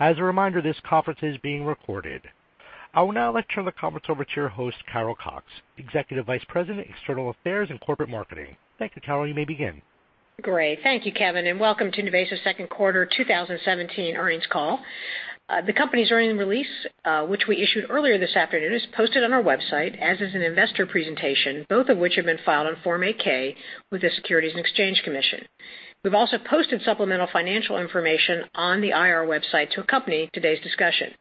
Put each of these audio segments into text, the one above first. As a reminder, this conference is being recorded. I will now turn the conference over to your host, Carol Cox, Executive Vice President, External Affairs and Corporate Marketing. Thank you, Carol. You may begin. Great. Thank you, Kevin, and welcome to NuVasive's second quarter 2017 earnings call. The company's earnings release, which we issued earlier this afternoon, is posted on our website, as is an investor presentation, both of which have been filed on Form 8-K with the Securities and Exchange Commission. We've also posted supplemental financial information on the IR website to accompany today's discussion.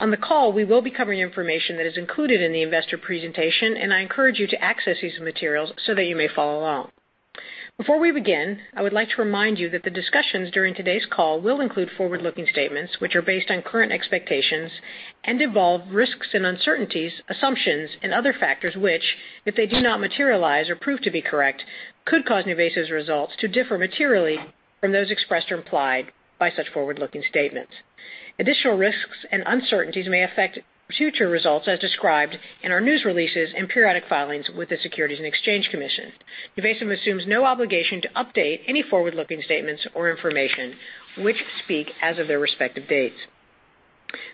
On the call, we will be covering information that is included in the investor presentation, and I encourage you to access these materials so that you may follow along. Before we begin, I would like to remind you that the discussions during today's call will include forward-looking statements which are based on current expectations and involve risks and uncertainties, assumptions, and other factors which, if they do not materialize or prove to be correct, could cause NuVasive's results to differ materially from those expressed or implied by such forward-looking statements. Additional risks and uncertainties may affect future results as described in our news releases and periodic filings with the Securities and Exchange Commission. NuVasive assumes no obligation to update any forward-looking statements or information which speak as of their respective dates.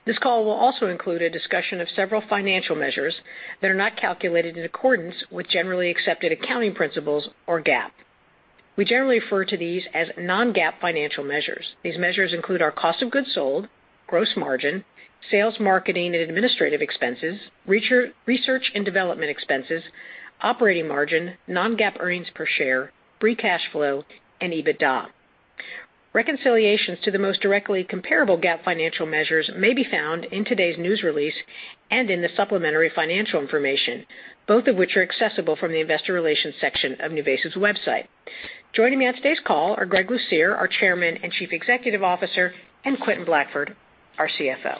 This call will also include a discussion of several financial measures that are not calculated in accordance with generally accepted accounting principles or GAAP. We generally refer to these as non-GAAP financial measures. These measures include our cost of goods sold, gross margin, sales, marketing and administrative expenses, research and development expenses, operating margin, non-GAAP earnings per share, free cash flow, and EBITDA. Reconciliations to the most directly comparable GAAP financial measures may be found in today's news release and in the supplementary financial information, both of which are accessible from the investor relations section of NuVasive's website. Joining me on today's call are Greg Lucier, our Chairman and Chief Executive Officer, and Quentin Blackford, our CFO.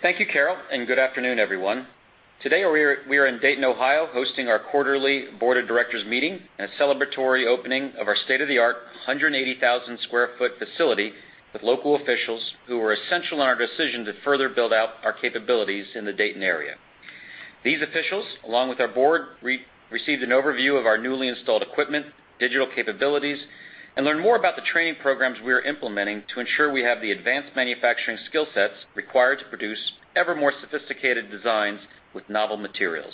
Thank you, Carol, and good afternoon, everyone. Today, we are in Dayton, Ohio, hosting our quarterly Board of Directors meeting and a celebratory opening of our state-of-the-art 180,000 sq ft facility with local officials who were essential in our decision to further build out our capabilities in the Dayton area. These officials, along with our board, received an overview of our newly installed equipment, digital capabilities, and learned more about the training programs we are implementing to ensure we have the advanced manufacturing skill sets required to produce ever more sophisticated designs with novel materials.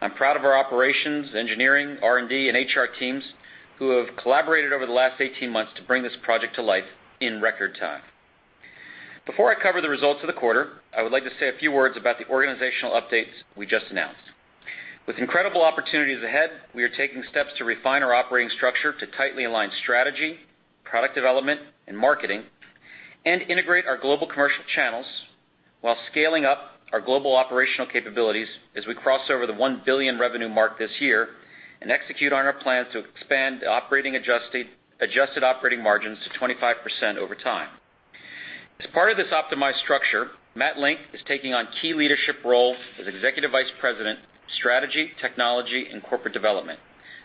I'm proud of our operations, engineering, R&D, and HR teams who have collaborated over the last 18 months to bring this project to life in record time. Before I cover the results of the quarter, I would like to say a few words about the organizational updates we just announced. With incredible opportunities ahead, we are taking steps to refine our operating structure to tightly align strategy, product development, and marketing, and integrate our global commercial channels while scaling up our global operational capabilities as we cross over the $1 billion revenue mark this year and execute on our plans to expand the adjusted operating margins to 25% over time. As part of this optimized structure, Matt Link is taking on key leadership roles as Executive Vice President, Strategy, Technology, and Corporate Development,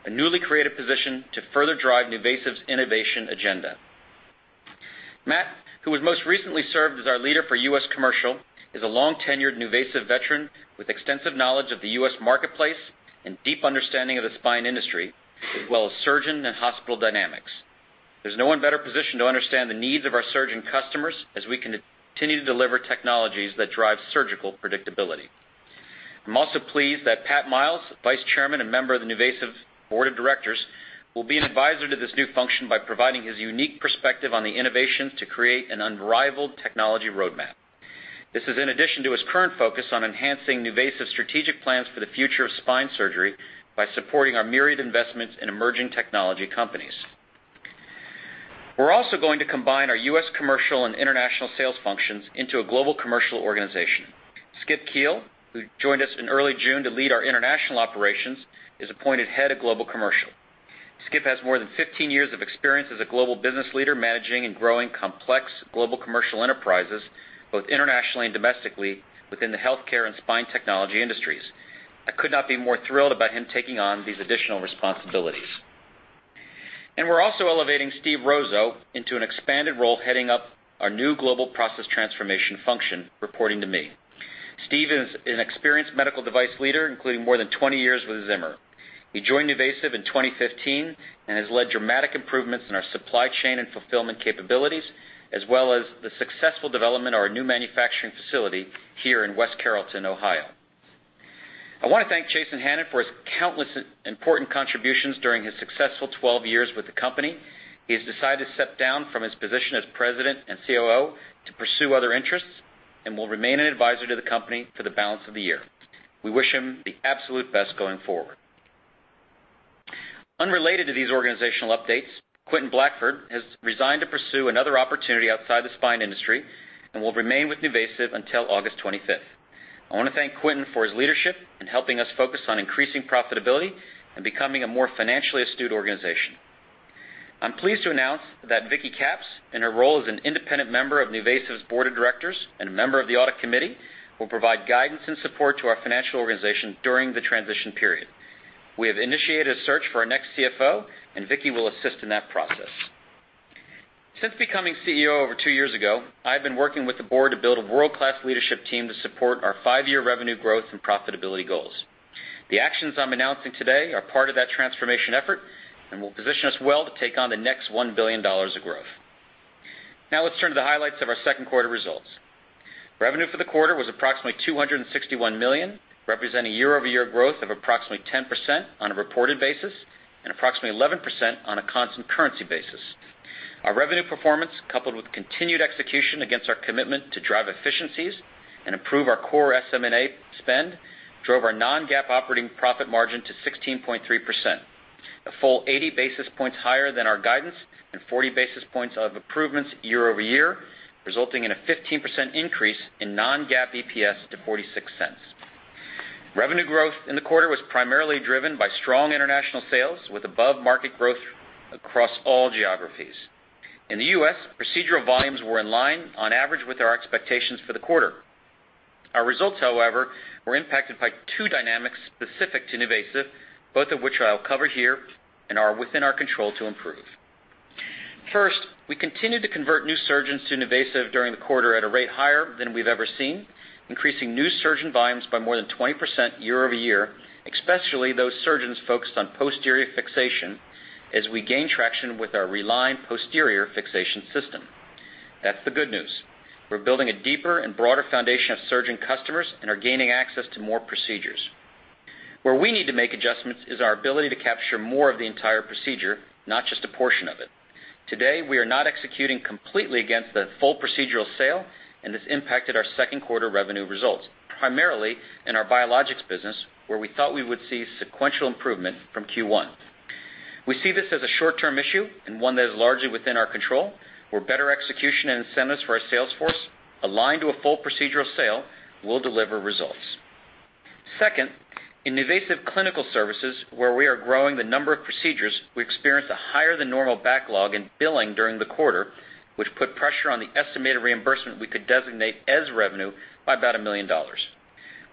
a newly created position to further drive NuVasive's innovation agenda. Matt, who has most recently served as our leader for US Commercial, is a long-tenured NuVasive veteran with extensive knowledge of the US marketplace and deep understanding of the spine industry, as well as surgeon and hospital dynamics. There's no one better positioned to understand the needs of our surgeon customers as we continue to deliver technologies that drive surgical predictability. I'm also pleased that Pat Miles, Vice Chairman and member of the NuVasive Board of Directors, will be an advisor to this new function by providing his unique perspective on the innovations to create an unrivaled technology roadmap. This is in addition to his current focus on enhancing NuVasive's strategic plans for the future of spine surgery by supporting our myriad investments in emerging technology companies. We're also going to combine our US commercial and international sales functions into a global commercial organization. Skip Kiil, who joined us in early June to lead our international operations, is appointed head of global commercial. Skip has more than 15 years of experience as a global business leader managing and growing complex global commercial enterprises, both internationally and domestically, within the healthcare and spine technology industries. I could not be more thrilled about him taking on these additional responsibilities. We are also elevating Steve Rozzo into an expanded role heading up our new global process transformation function, reporting to me. Steve is an experienced medical device leader, including more than 20 years with Zimmer Biomet. He joined NuVasive in 2015 and has led dramatic improvements in our supply chain and fulfillment capabilities, as well as the successful development of our new manufacturing facility here in West Carrollton, Ohio. I want to thank Jason Hannon for his countless important contributions during his successful 12 years with the company. He has decided to step down from his position as President and COO to pursue other interests and will remain an advisor to the company for the balance of the year. We wish him the absolute best going forward. Unrelated to these organizational updates, Quentin Blackford has resigned to pursue another opportunity outside the spine industry and will remain with NuVasive until August 25th. I want to thank Quentin for his leadership in helping us focus on increasing profitability and becoming a more financially astute organization. I'm pleased to announce that Vicky Caps, in her role as an independent member of NuVasive's Board of Directors and a member of the audit committee, will provide guidance and support to our financial organization during the transition period. We have initiated a search for our next CFO, and Vicky will assist in that process. Since becoming CEO over two years ago, I have been working with the board to build a world-class leadership team to support our five-year revenue growth and profitability goals. The actions I'm announcing today are part of that transformation effort and will position us well to take on the next $1 billion of growth. Now, let's turn to the highlights of our second quarter results. Revenue for the quarter was approximately $261 million, representing year-over-year growth of approximately 10% on a reported basis and approximately 11% on a constant currency basis. Our revenue performance, coupled with continued execution against our commitment to drive efficiencies and improve our core SM&A spend, drove our non-GAAP operating profit margin to 16.3%, a full 80 basis points higher than our guidance and 40 basis points of improvements year-over-year, resulting in a 15% increase in non-GAAP EPS to $0.46. Revenue growth in the quarter was primarily driven by strong international sales with above-market growth across all geographies. In the U.S., procedural volumes were in line, on average, with our expectations for the quarter. Our results, however, were impacted by two dynamics specific to NuVasive, both of which I'll cover here and are within our control to improve. First, we continued to convert new surgeons to NuVasive during the quarter at a rate higher than we've ever seen, increasing new surgeon volumes by more than 20% year-over-year, especially those surgeons focused on posterior fixation as we gain traction with our RELINE Posterior Fixation system. That's the good news. We're building a deeper and broader foundation of surgeon customers and are gaining access to more procedures. Where we need to make adjustments is our ability to capture more of the entire procedure, not just a portion of it. Today, we are not executing completely against the full procedural sale, and this impacted our second quarter revenue results, primarily in our biologics business, where we thought we would see sequential improvement from Q1. We see this as a short-term issue and one that is largely within our control where better execution and incentives for our sales force, aligned to a full procedural sale, will deliver results. Second, in NuVasive Clinical Services, where we are growing the number of procedures, we experienced a higher-than-normal backlog in billing during the quarter, which put pressure on the estimated reimbursement we could designate as revenue by about $1 million.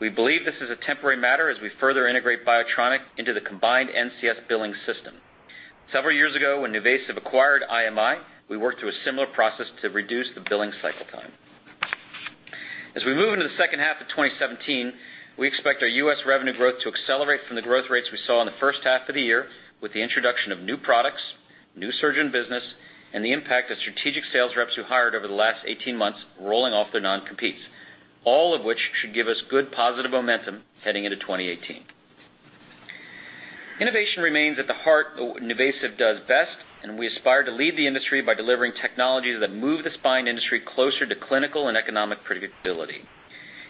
We believe this is a temporary matter as we further integrate Biotronik into the combined NCS billing system. Several years ago, when NuVasive acquired IMI, we worked through a similar process to reduce the billing cycle time. As we move into the second half of 2017, we expect our US revenue growth to accelerate from the growth rates we saw in the first half of the year with the introduction of new products, new surgeon business, and the impact of strategic sales reps we hired over the last 18 months rolling off their non-competes, all of which should give us good positive momentum heading into 2018. Innovation remains at the heart of what NuVasive does best, and we aspire to lead the industry by delivering technologies that move the spine industry closer to clinical and economic predictability.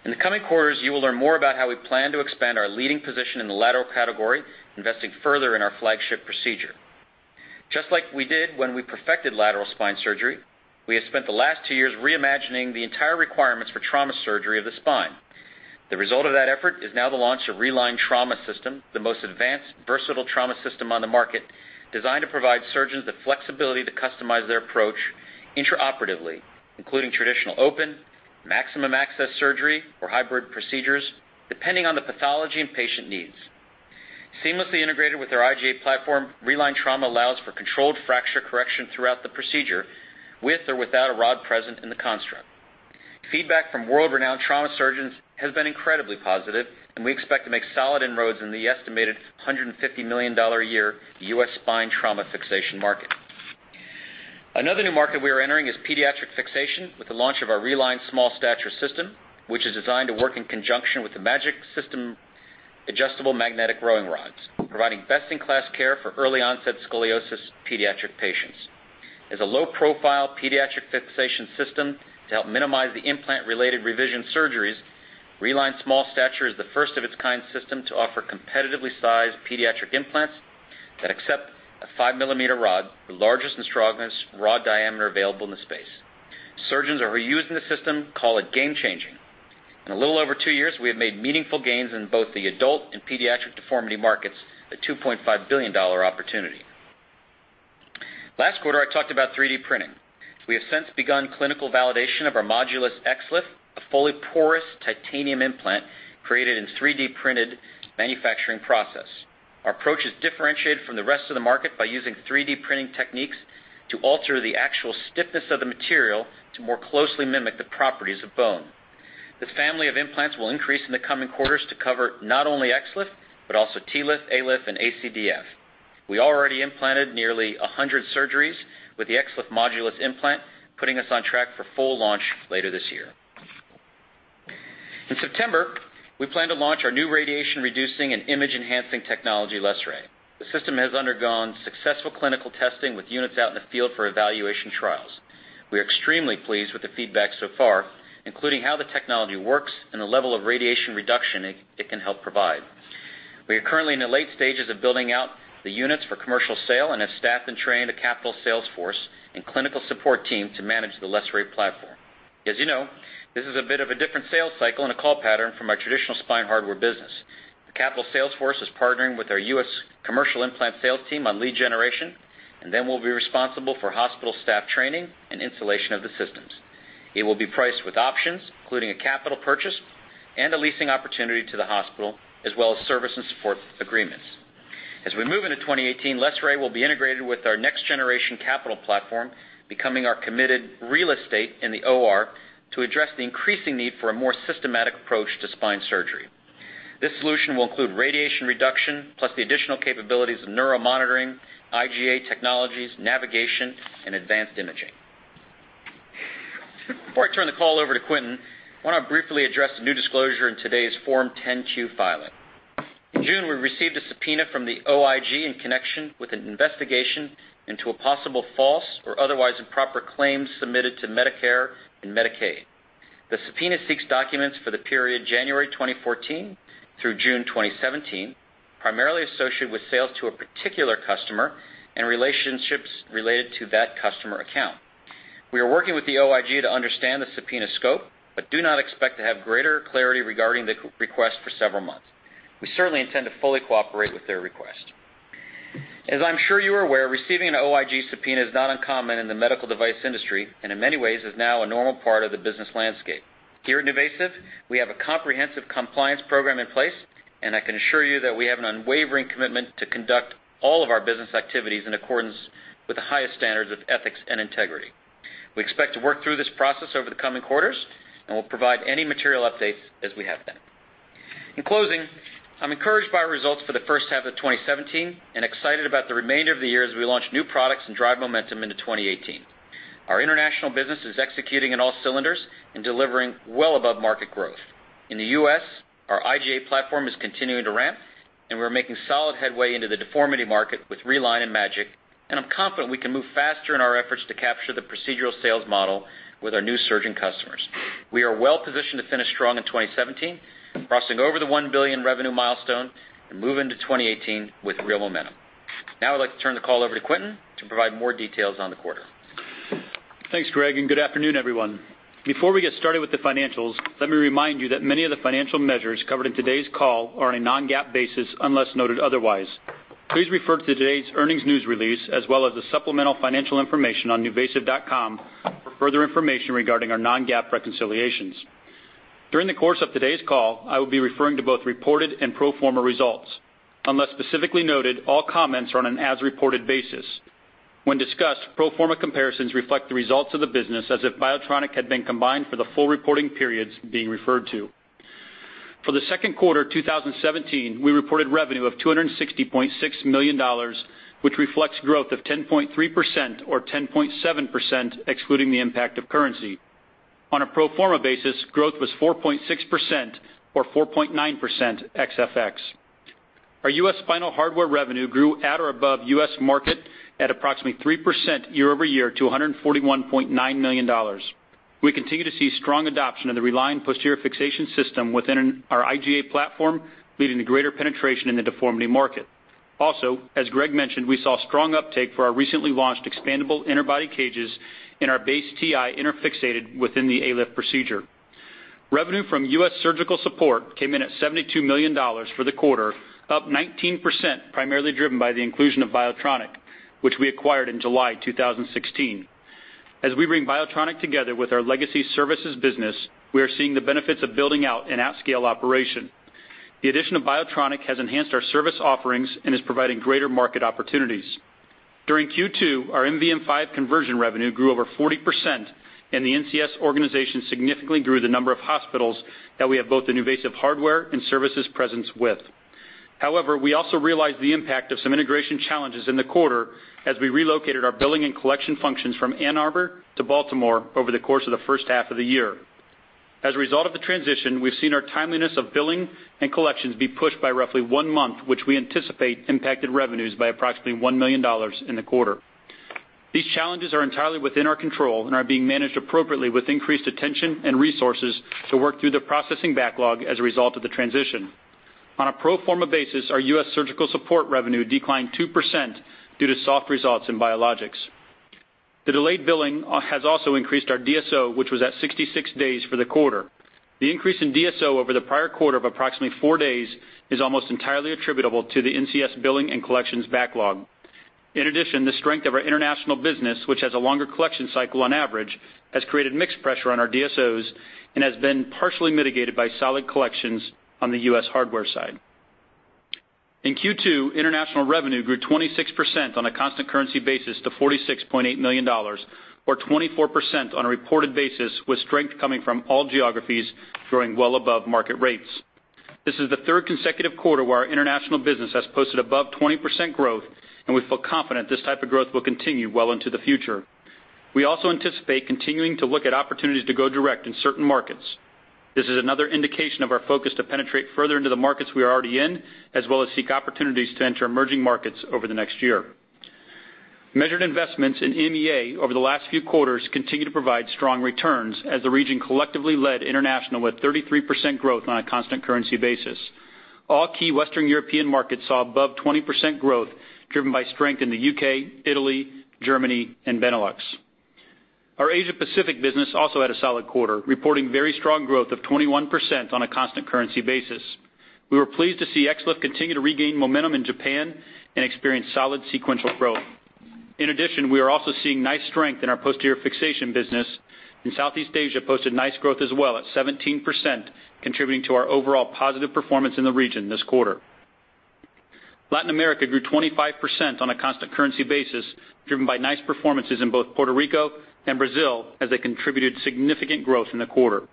In the coming quarters, you will learn more about how we plan to expand our leading position in the lateral category, investing further in our flagship procedure. Just like we did when we perfected lateral spine surgery, we have spent the last two years reimagining the entire requirements for trauma surgery of the spine. The result of that effort is now the launch of RELINE Trauma System, the most advanced, versatile trauma system on the market, designed to provide surgeons the flexibility to customize their approach intraoperatively, including traditional open, maximum access surgery, or hybrid procedures, depending on the pathology and patient needs. Seamlessly integrated with our IGA platform, RELINE Trauma allows for controlled fracture correction throughout the procedure with or without a rod present in the construct. Feedback from world-renowned trauma surgeons has been incredibly positive, and we expect to make solid inroads in the estimated $150 million a year US spine trauma fixation market. Another new market we are entering is pediatric fixation with the launch of our RELINE Small Stature system, which is designed to work in conjunction with the Magic System adjustable magnetic growing rods, providing best-in-class care for early-onset scoliosis pediatric patients. As a low-profile pediatric fixation system to help minimize the implant-related revision surgeries, RELINE Small Stature is the first-of-its-kind system to offer competitively sized pediatric implants that accept a 5 mm rod, the largest nitinol rod diameter available in the space. Surgeons are using the system, calling it game-changing. In a little over two years, we have made meaningful gains in both the adult and pediatric deformity markets, a $2.5 billion opportunity. Last quarter, I talked about 3D printing. We have since begun clinical validation of our Modulus XLIF, a fully porous titanium implant created in a 3D-printed manufacturing process. Our approach is differentiated from the rest of the market by using 3D printing techniques to alter the actual stiffness of the material to more closely mimic the properties of bone. The family of implants will increase in the coming quarters to cover not only XLIF, but also TLIF, ALIF, and ACDF. We already implanted nearly 100 surgeries with the XLIF Modulus implant, putting us on track for full launch later this year. In September, we plan to launch our new radiation-reducing and image-enhancing technology, LessRay. The system has undergone successful clinical testing with units out in the field for evaluation trials. We are extremely pleased with the feedback so far, including how the technology works and the level of radiation reduction it can help provide. We are currently in the late stages of building out the units for commercial sale and have staffed and trained a capital sales force and clinical support team to manage the LessRay platform. As you know, this is a bit of a different sales cycle and a call pattern from our traditional spine hardware business. The capital sales force is partnering with our US commercial implant sales team on lead generation, and then we'll be responsible for hospital staff training and installation of the systems. It will be priced with options, including a capital purchase and a leasing opportunity to the hospital, as well as service and support agreements. As we move into 2018, LessRay will be integrated with our next-generation capital platform, becoming our committed real estate in the OR to address the increasing need for a more systematic approach to spine surgery. This solution will include radiation reduction plus the additional capabilities of neuromonitoring, IGA technologies, navigation, and advanced imaging. Before I turn the call over to Quentin, I want to briefly address a new disclosure in today's Form 10Q filing. In June, we received a subpoena from the OIG in connection with an investigation into a possible false or otherwise improper claim submitted to Medicare and Medicaid. The subpoena seeks documents for the period January 2014 through June 2017, primarily associated with sales to a particular customer and relationships related to that customer account. We are working with the OIG to understand the subpoena scope, but do not expect to have greater clarity regarding the request for several months. We certainly intend to fully cooperate with their request. As I'm sure you are aware, receiving an OIG subpoena is not uncommon in the medical device industry and, in many ways, is now a normal part of the business landscape. Here at NuVasive, we have a comprehensive compliance program in place, and I can assure you that we have an unwavering commitment to conduct all of our business activities in accordance with the highest standards of ethics and integrity. We expect to work through this process over the coming quarters and will provide any material updates as we have them. In closing, I'm encouraged by our results for the first half of 2017 and excited about the remainder of the year as we launch new products and drive momentum into 2018. Our international business is executing at all cylinders and delivering well above market growth. In the U.S., our IGA platform is continuing to ramp, and we're making solid headway into the deformity market with RELINE and Magic, and I'm confident we can move faster in our efforts to capture the procedural sales model with our new surgeon customers. We are well-positioned to finish strong in 2017, crossing over the $1 billion revenue milestone and moving into 2018 with real momentum. Now, I'd like to turn the call over to Quentin to provide more details on the quarter. Thanks, Greg, and good afternoon, everyone. Before we get started with the financials, let me remind you that many of the financial measures covered in today's call are on a non-GAAP basis unless noted otherwise. Please refer to today's earnings news release as well as the supplemental financial information on nuVasive.com for further information regarding our non-GAAP reconciliations. During the course of today's call, I will be referring to both reported and pro forma results. Unless specifically noted, all comments are on an as-reported basis. When discussed, pro forma comparisons reflect the results of the business as if Biotronik had been combined for the full reporting periods being referred to. For the second quarter of 2017, we reported revenue of $260.6 million, which reflects growth of 10.3% or 10.7%, excluding the impact of currency. On a pro forma basis, growth was 4.6% or 4.9% XFX. Our US spinal hardware revenue grew at or above US market at approximately 3% year-over-year to $141.9 million. We continue to see strong adoption of the RELINE Posterior Fixation system within our IGA platform, leading to greater penetration in the deformity market. Also, as Greg mentioned, we saw strong uptake for our recently launched expandable interbody cages in our base TI interfixated within the ALIF procedure. Revenue from US surgical support came in at $72 million for the quarter, up 19%, primarily driven by the inclusion of Biotronik, which we acquired in July 2016. As we bring Biotronik together with our legacy services business, we are seeing the benefits of building out an at-scale operation. The addition of Biotronik has enhanced our service offerings and is providing greater market opportunities. During Q2, our MVM5 conversion revenue grew over 40%, and the NCS organization significantly grew the number of hospitals that we have both the NuVasive hardware and services presence with. However, we also realized the impact of some integration challenges in the quarter as we relocated our billing and collection functions from Ann Arbor to Baltimore over the course of the first half of the year. As a result of the transition, we've seen our timeliness of billing and collections be pushed by roughly one month, which we anticipate impacted revenues by approximately $1 million in the quarter. These challenges are entirely within our control and are being managed appropriately with increased attention and resources to work through the processing backlog as a result of the transition. On a pro forma basis, our US surgical support revenue declined 2% due to soft results in biologics. The delayed billing has also increased our DSO, which was at 66 days for the quarter. The increase in DSO over the prior quarter of approximately four days is almost entirely attributable to the NCS billing and collections backlog. In addition, the strength of our international business, which has a longer collection cycle on average, has created mixed pressure on our DSOs and has been partially mitigated by solid collections on the US hardware side. In Q2, international revenue grew 26% on a constant currency basis to $46.8 million, or 24% on a reported basis, with strength coming from all geographies growing well above market rates. This is the third consecutive quarter where our international business has posted above 20% growth, and we feel confident this type of growth will continue well into the future. We also anticipate continuing to look at opportunities to go direct in certain markets. This is another indication of our focus to penetrate further into the markets we are already in, as well as seek opportunities to enter emerging markets over the next year. Measured investments in MEA over the last few quarters continue to provide strong returns as the region collectively led international with 33% growth on a constant currency basis. All key Western European markets saw above 20% growth driven by strength in the U.K., Italy, Germany, and Benelux. Our Asia-Pacific business also had a solid quarter, reporting very strong growth of 21% on a constant currency basis. We were pleased to see XLIF continue to regain momentum in Japan and experience solid sequential growth. In addition, we are also seeing nice strength in our posterior fixation business, and Southeast Asia posted nice growth as well at 17%, contributing to our overall positive performance in the region this quarter. Latin America grew 25% on a constant currency basis, driven by nice performances in both Puerto Rico and Brazil, as they contributed significant growth in the quarter.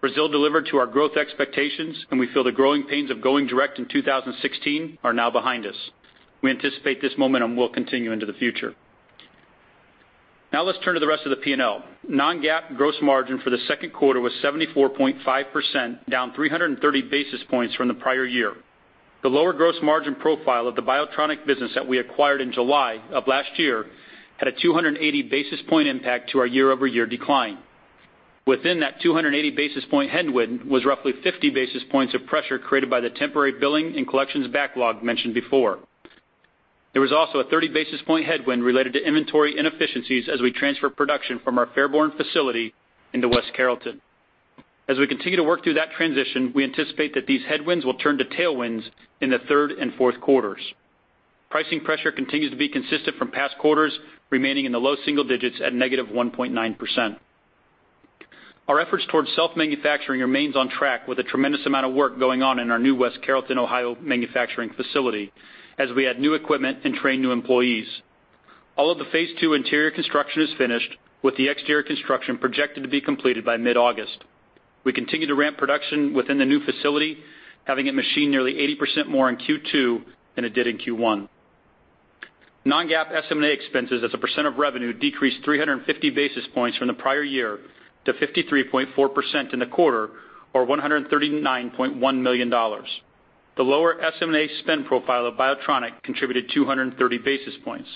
Brazil delivered to our growth expectations, and we feel the growing pains of going direct in 2016 are now behind us. We anticipate this momentum will continue into the future. Now, let's turn to the rest of the P&L. Non-GAAP gross margin for the second quarter was 74.5%, down 330 basis points from the prior year. The lower gross margin profile of the Biotronik business that we acquired in July of last year had a 280 basis point impact to our year-over-year decline. Within that 280 basis point headwind was roughly 50 basis points of pressure created by the temporary billing and collections backlog mentioned before. There was also a 30 basis point headwind related to inventory inefficiencies as we transferred production from our Fairborn facility into West Carrollton. As we continue to work through that transition, we anticipate that these headwinds will turn to tailwinds in the third and fourth quarters. Pricing pressure continues to be consistent from past quarters, remaining in the low single digits at negative 1.9%. Our efforts towards self-manufacturing remain on track with a tremendous amount of work going on in our new West Carrollton, Ohio manufacturing facility, as we add new equipment and train new employees. All of the phase two interior construction is finished, with the exterior construction projected to be completed by mid-August. We continue to ramp production within the new facility, having it machine nearly 80% more in Q2 than it did in Q1. Non-GAAP SM&A expenses as a percent of revenue decreased 350 basis points from the prior year to 53.4% in the quarter, or $139.1 million. The lower SM&A spend profile of Biotronik contributed 230 basis points.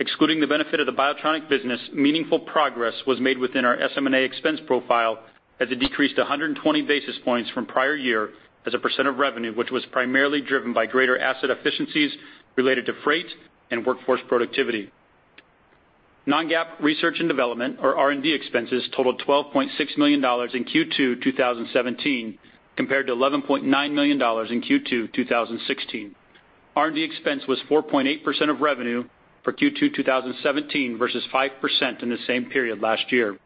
Excluding the benefit of the Biotronik business, meaningful progress was made within our SM&A expense profile as it decreased 120 basis points from prior year as a percent of revenue, which was primarily driven by greater asset efficiencies related to freight and workforce productivity. Non-GAAP research and development, or R&D expenses, totaled $12.6 million in Q2 2017, compared to $11.9 million in Q2 2016. R&D expense was 4.8% of revenue for Q2 2017 versus 5% in the same period last year.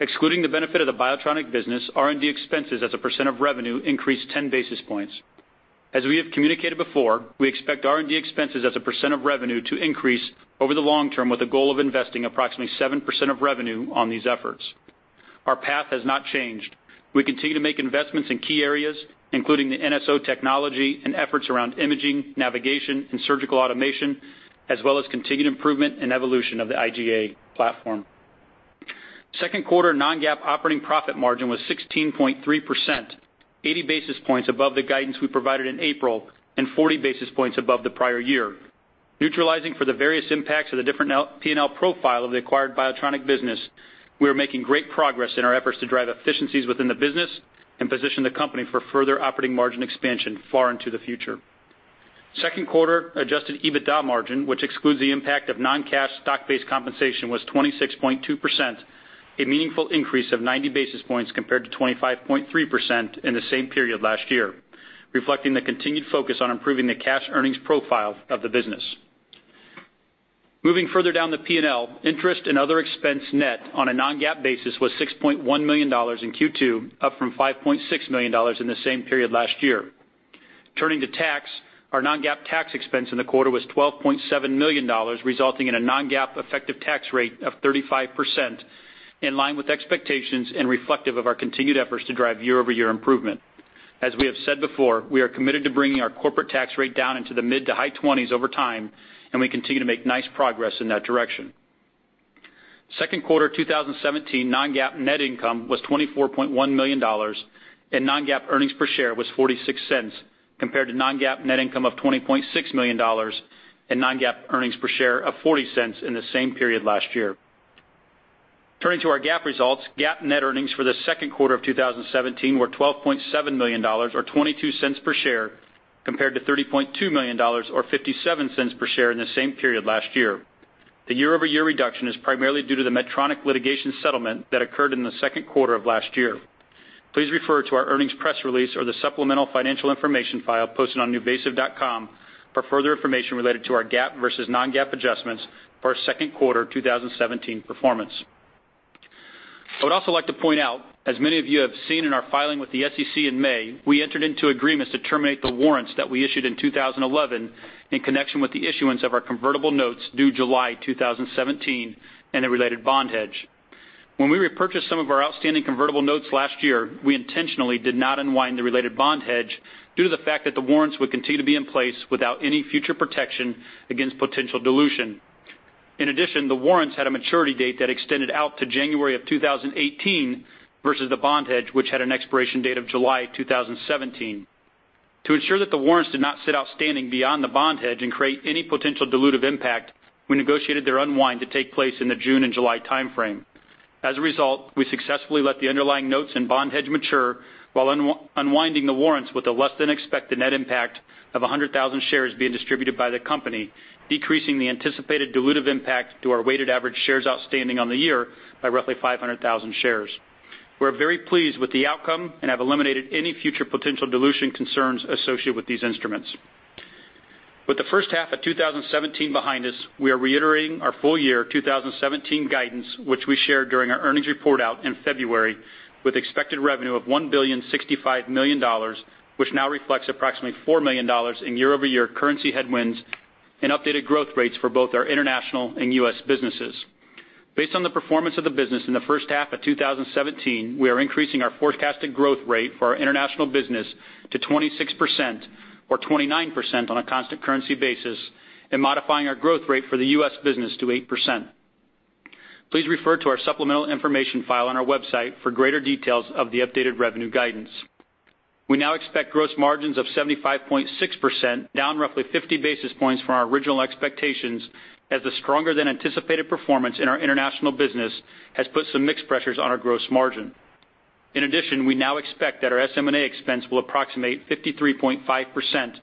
Excluding the benefit of the Biotronik business, R&D expenses as a percent of revenue increased 10 basis points. As we have communicated before, we expect R&D expenses as a percent of revenue to increase over the long term with a goal of investing approximately 7% of revenue on these efforts. Our path has not changed. We continue to make investments in key areas, including the NSO technology and efforts around imaging, navigation, and surgical automation, as well as continued improvement and evolution of the IGA platform. Second quarter non-GAAP operating profit margin was 16.3%, 80 basis points above the guidance we provided in April and 40 basis points above the prior year. Neutralizing for the various impacts of the different P&L profile of the acquired Biotronik business, we are making great progress in our efforts to drive efficiencies within the business and position the company for further operating margin expansion far into the future. Second quarter adjusted EBITDA margin, which excludes the impact of non-cash stock-based compensation, was 26.2%, a meaningful increase of 90 basis points compared to 25.3% in the same period last year, reflecting the continued focus on improving the cash earnings profile of the business. Moving further down the P&L, interest and other expense net on a non-GAAP basis was $6.1 million in Q2, up from $5.6 million in the same period last year. Turning to tax, our non-GAAP tax expense in the quarter was $12.7 million, resulting in a non-GAAP effective tax rate of 35%, in line with expectations and reflective of our continued efforts to drive year-over-year improvement. As we have said before, we are committed to bringing our corporate tax rate down into the mid to high 20s over time, and we continue to make nice progress in that direction. Second quarter 2017 non-GAAP net income was $24.1 million, and non-GAAP earnings per share was $0.46, compared to non-GAAP net income of $20.6 million and non-GAAP earnings per share of $0.40 in the same period last year. Turning to our GAAP results, GAAP net earnings for the second quarter of 2017 were $12.7 million, or $0.22 per share, compared to $30.2 million, or $0.57 per share in the same period last year. The year-over-year reduction is primarily due to the Medtronic litigation settlement that occurred in the second quarter of last year. Please refer to our earnings press release or the supplemental financial information file posted on nuVasive.com for further information related to our GAAP versus non-GAAP adjustments for our second quarter 2017 performance. I would also like to point out, as many of you have seen in our filing with the SEC in May, we entered into agreements to terminate the warrants that we issued in 2011 in connection with the issuance of our convertible notes due July 2017 and the related bond hedge. When we repurchased some of our outstanding convertible notes last year, we intentionally did not unwind the related bond hedge due to the fact that the warrants would continue to be in place without any future protection against potential dilution. In addition, the warrants had a maturity date that extended out to January 2018 versus the bond hedge, which had an expiration date of July 2017. To ensure that the warrants did not sit outstanding beyond the bond hedge and create any potential dilutive impact, we negotiated their unwind to take place in the June and July timeframe. As a result, we successfully let the underlying notes and bond hedge mature while unwinding the warrants with a less-than-expected net impact of 100,000 shares being distributed by the company, decreasing the anticipated dilutive impact to our weighted average shares outstanding on the year by roughly 500,000 shares. We are very pleased with the outcome and have eliminated any future potential dilution concerns associated with these instruments. With the first half of 2017 behind us, we are reiterating our full year 2017 guidance, which we shared during our earnings report out in February, with expected revenue of $1,065 million, which now reflects approximately $4 million in year-over-year currency headwinds and updated growth rates for both our international and US businesses. Based on the performance of the business in the first half of 2017, we are increasing our forecasted growth rate for our international business to 26% or 29% on a constant currency basis and modifying our growth rate for the US business to 8%. Please refer to our supplemental information file on our website for greater details of the updated revenue guidance. We now expect gross margins of 75.6%, down roughly 50 basis points from our original expectations, as the stronger-than-anticipated performance in our international business has put some mixed pressures on our gross margin. In addition, we now expect that our SM&A expense will approximate 53.5%,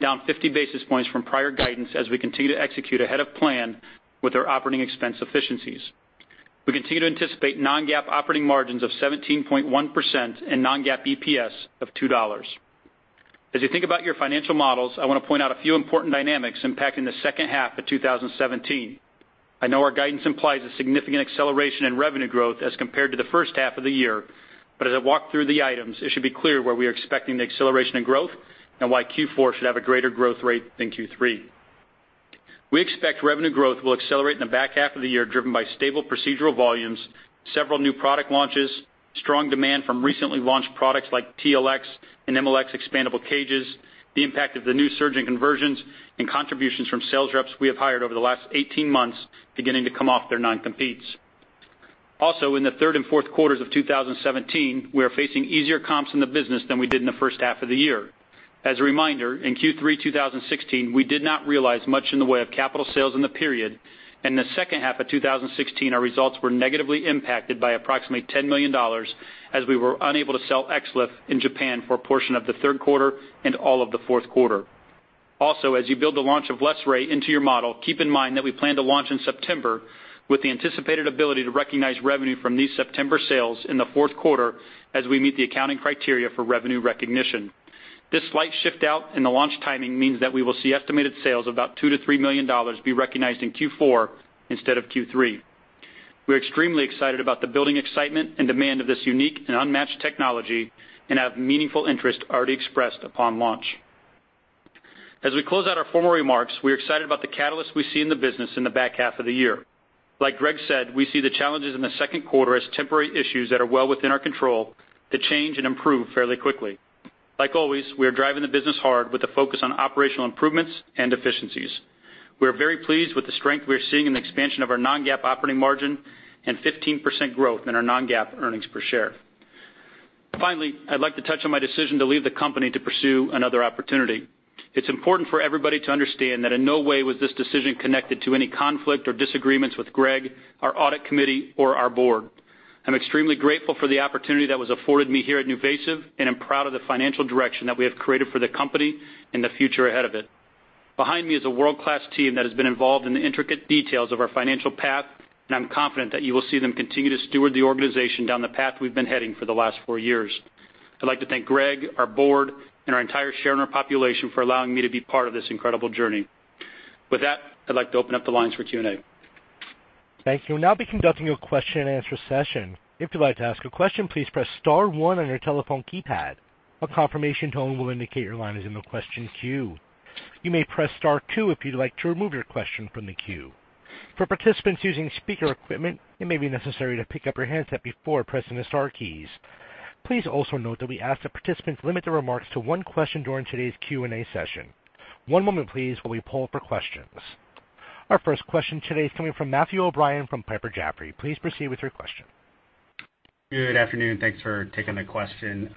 down 50 basis points from prior guidance as we continue to execute ahead of plan with our operating expense efficiencies. We continue to anticipate non-GAAP operating margins of 17.1% and non-GAAP EPS of $2. As you think about your financial models, I want to point out a few important dynamics impacting the second half of 2017. I know our guidance implies a significant acceleration in revenue growth as compared to the first half of the year, but as I walk through the items, it should be clear where we are expecting the acceleration in growth and why Q4 should have a greater growth rate than Q3. We expect revenue growth will accelerate in the back half of the year driven by stable procedural volumes, several new product launches, strong demand from recently launched products like TLX and MLX expandable cages, the impact of the new surge in conversions, and contributions from sales reps we have hired over the last 18 months beginning to come off their non-competes. Also, in the third and fourth quarters of 2017, we are facing easier comps in the business than we did in the first half of the year. As a reminder, in Q3 2016, we did not realize much in the way of capital sales in the period, and in the second half of 2016, our results were negatively impacted by approximately $10 million as we were unable to sell XLIF in Japan for a portion of the third quarter and all of the fourth quarter. Also, as you build the launch of LessRay into your model, keep in mind that we plan to launch in September with the anticipated ability to recognize revenue from these September sales in the fourth quarter as we meet the accounting criteria for revenue recognition. This slight shift out in the launch timing means that we will see estimated sales of about $2-$3 million be recognized in Q4 instead of Q3. We are extremely excited about the building excitement and demand of this unique and unmatched technology and have meaningful interest already expressed upon launch. As we close out our formal remarks, we are excited about the catalysts we see in the business in the back half of the year. Like Greg said, we see the challenges in the second quarter as temporary issues that are well within our control to change and improve fairly quickly. Like always, we are driving the business hard with a focus on operational improvements and efficiencies. We are very pleased with the strength we are seeing in the expansion of our non-GAAP operating margin and 15% growth in our non-GAAP earnings per share. Finally, I'd like to touch on my decision to leave the company to pursue another opportunity. It's important for everybody to understand that in no way was this decision connected to any conflict or disagreements with Greg, our audit committee, or our board. I'm extremely grateful for the opportunity that was afforded me here at NuVasive and am proud of the financial direction that we have created for the company and the future ahead of it. Behind me is a world-class team that has been involved in the intricate details of our financial path, and I'm confident that you will see them continue to steward the organization down the path we've been heading for the last four years. I'd like to thank Greg, our board, and our entire shareholder population for allowing me to be part of this incredible journey. With that, I'd like to open up the lines for Q&A. Thank you. Now I'll be conducting a question-and-answer session. If you'd like to ask a question, please press star one on your telephone keypad. A confirmation tone will indicate your line is in the question queue. You may press star two if you'd like to remove your question from the queue. For participants using speaker equipment, it may be necessary to pick up your handset before pressing the star keys. Please also note that we ask that participants limit their remarks to one question during today's Q&A session. One moment, please, while we pull up our questions. Our first question today is coming from Matthew O'Brien from Piper Jaffray. Please proceed with your question. Good afternoon. Thanks for taking the question.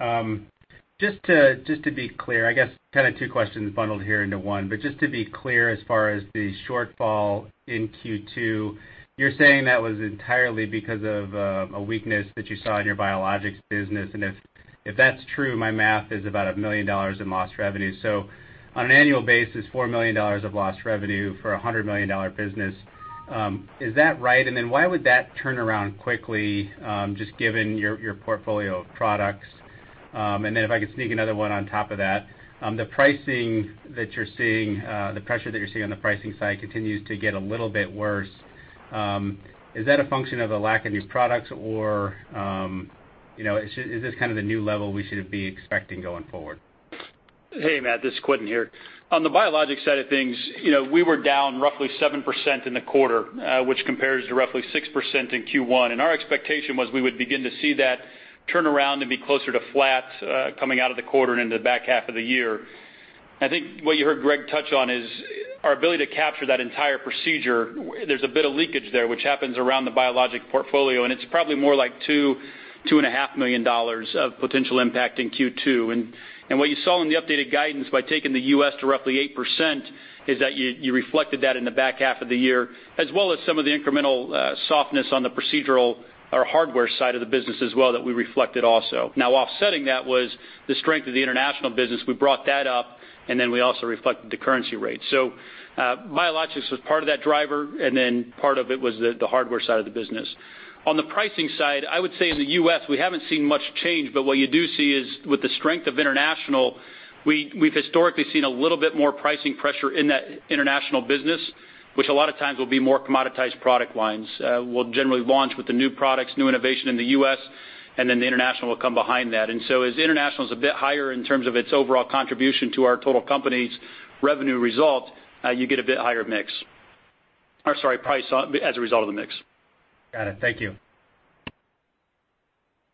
Just to be clear, I guess kind of two questions bundled here into one, but just to be clear as far as the shortfall in Q2, you're saying that was entirely because of a weakness that you saw in your biologics business, and if that's true, my math is about $1 million in lost revenue. So on an annual basis, $4 million of lost revenue for a $100 million business. Is that right? Why would that turn around quickly, just given your portfolio of products? If I could sneak another one on top of that, the pricing that you're seeing, the pressure that you're seeing on the pricing side continues to get a little bit worse. Is that a function of the lack of new products, or is this kind of the new level we should be expecting going forward? Hey, Matt. This is Quentin here. On the biologics side of things, we were down roughly 7% in the quarter, which compares to roughly 6% in Q1. Our expectation was we would begin to see that turn around and be closer to flat coming out of the quarter and into the back half of the year. I think what you heard Greg touch on is our ability to capture that entire procedure. There's a bit of leakage there, which happens around the biologic portfolio, and it's probably more like $2 million-$2.5 million of potential impact in Q2. What you saw in the updated guidance by taking the US to roughly 8% is that you reflected that in the back half of the year, as well as some of the incremental softness on the procedural or hardware side of the business as well that we reflected also. Now, offsetting that was the strength of the international business. We brought that up, and then we also reflected the currency rate. So biologics was part of that driver, and then part of it was the hardware side of the business. On the pricing side, I would say in the U.S., we haven't seen much change, but what you do see is with the strength of international, we've historically seen a little bit more pricing pressure in that international business, which a lot of times will be more commoditized product lines. We'll generally launch with the new products, new innovation in the U.S., and then the international will come behind that. As international is a bit higher in terms of its overall contribution to our total company's revenue result, you get a bit higher mix or, sorry, price as a result of the mix. Got it. Thank you.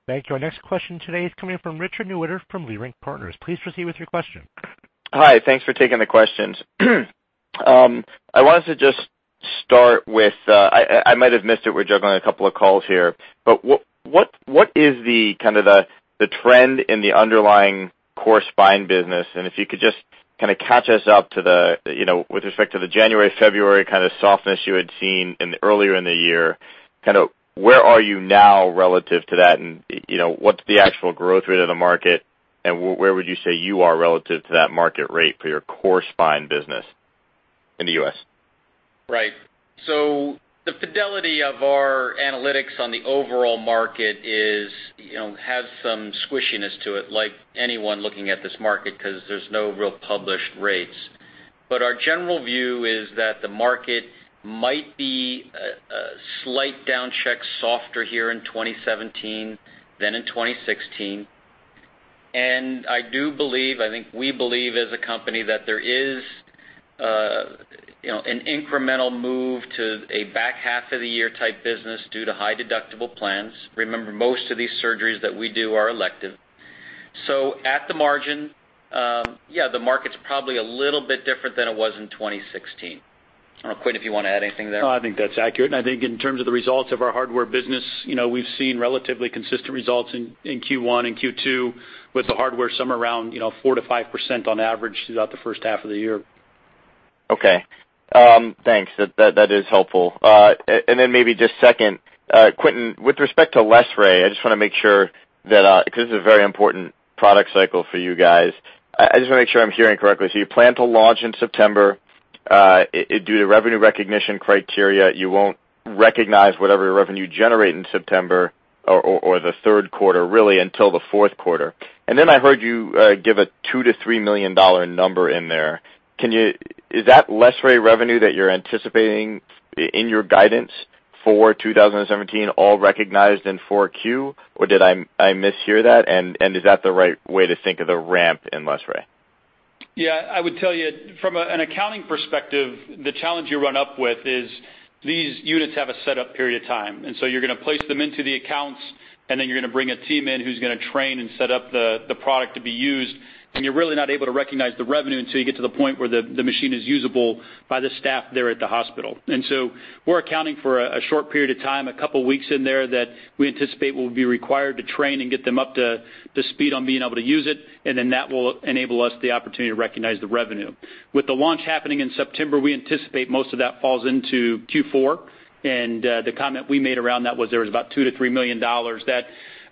Thank you. Our next question today is coming from Richard Newitter from Leerink Partners. Please proceed with your question. Hi. Thanks for taking the questions. I wanted to just start with I might have missed it. We're juggling a couple of calls here. What is the kind of the trend in the underlying core spine business? If you could just kind of catch us up with respect to the January, February kind of softness you had seen earlier in the year, where are you now relative to that? What's the actual growth rate of the market? Where would you say you are relative to that market rate for your core spine business in the US? Right. So the fidelity of our analytics on the overall market has some squishiness to it, like anyone looking at this market, because there's no real published rates. Our general view is that the market might be a slight down check softer here in 2017 than in 2016. I do believe, I think we believe as a company that there is an incremental move to a back half of the year type business due to high deductible plans. Remember, most of these surgeries that we do are elective. At the margin, yeah, the market's probably a little bit different than it was in 2016. I don't know, Quentin, if you want to add anything there. No, I think that's accurate. I think in terms of the results of our hardware business, we've seen relatively consistent results in Q1 and Q2 with the hardware somewhere around 4-5% on average throughout the first half of the year. Okay. Thanks. That is helpful. Maybe just second, Quentin, with respect to LessRay, I just want to make sure that because this is a very important product cycle for you guys. I just want to make sure I'm hearing correctly. You plan to launch in September. Due to revenue recognition criteria, you won't recognize whatever revenue you generate in September or the third quarter, really, until the fourth quarter. I heard you give a $2-$3 million number in there. Is that LessRay revenue that you're anticipating in your guidance for 2017 all recognized in Q4? Or did I mishear that? Is that the right way to think of the ramp in LessRay? Yeah. I would tell you from an accounting perspective, the challenge you run up with is these units have a setup period of time. You are going to place them into the accounts, and then you are going to bring a team in who is going to train and set up the product to be used. You are really not able to recognize the revenue until you get to the point where the machine is usable by the staff there at the hospital. We are accounting for a short period of time, a couple of weeks in there that we anticipate we will be required to train and get them up to speed on being able to use it. That will enable us the opportunity to recognize the revenue. With the launch happening in September, we anticipate most of that falls into Q4. The comment we made around that was there was about $2-$3 million that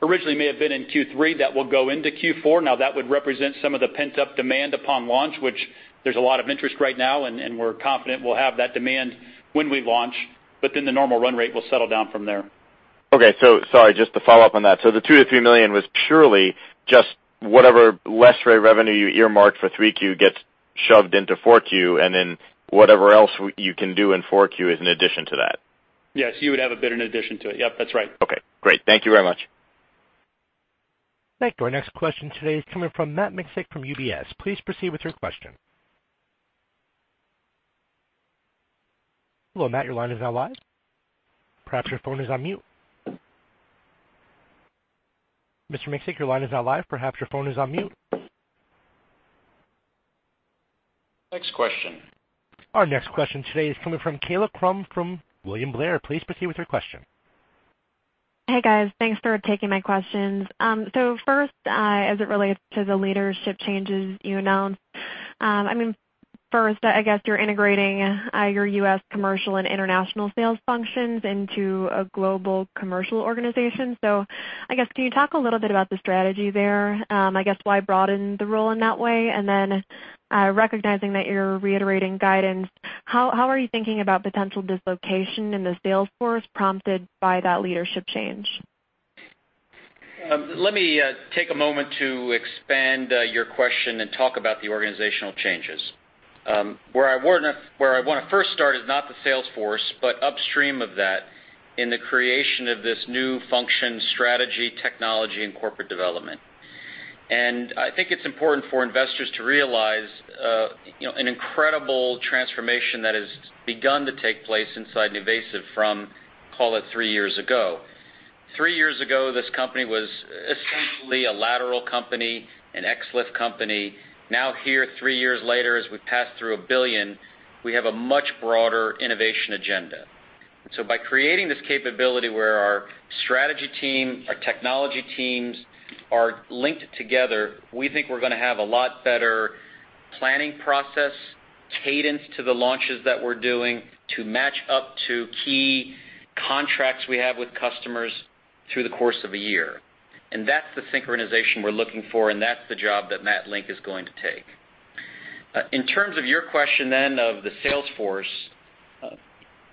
originally may have been in Q3 that will go into Q4. That would represent some of the pent-up demand upon launch, which there's a lot of interest right now, and we're confident we'll have that demand when we launch. The normal run rate will settle down from there. Okay. Sorry, just to follow up on that. The $2-$3 million was purely just whatever LessRay revenue you earmarked for 3Q gets shoved into 4Q, and then whatever else you can do in 4Q is in addition to that. Yes. You would have a bid in addition to it. Yep. That's right. Okay. Great. Thank you very much. Thank you. Our next question today is coming from Matt Miksic from UBS. Please proceed with your question. Hello, Matt. Your line is now live. Perhaps your phone is on mute. Mr. Miksic, your line is now live. Perhaps your phone is on mute. Next question. Our next question today is coming from Kaila Krum from William Blair. Please proceed with your question. Hey, guys. Thanks for taking my questions. First, as it relates to the leadership changes you announced, I mean, first, I guess you're integrating your US commercial and international sales functions into a global commercial organization. I guess can you talk a little bit about the strategy there, I guess why broaden the role in that way? Then recognizing that you're reiterating guidance, how are you thinking about potential dislocation in the sales force prompted by that leadership change? Let me take a moment to expand your question and talk about the organizational changes. Where I want to first start is not the sales force, but upstream of that in the creation of this new function, strategy, technology, and corporate development. I think it's important for investors to realize an incredible transformation that has begun to take place inside NuVasive from, call it, three years ago. Three years ago, this company was essentially a lateral company, an XLIF company. Now here, three years later, as we pass through a billion, we have a much broader innovation agenda. By creating this capability where our strategy team, our technology teams are linked together, we think we're going to have a lot better planning process, cadence to the launches that we're doing to match up to key contracts we have with customers through the course of a year. That is the synchronization we are looking for, and that is the job that Matt Link is going to take. In terms of your question then of the sales force,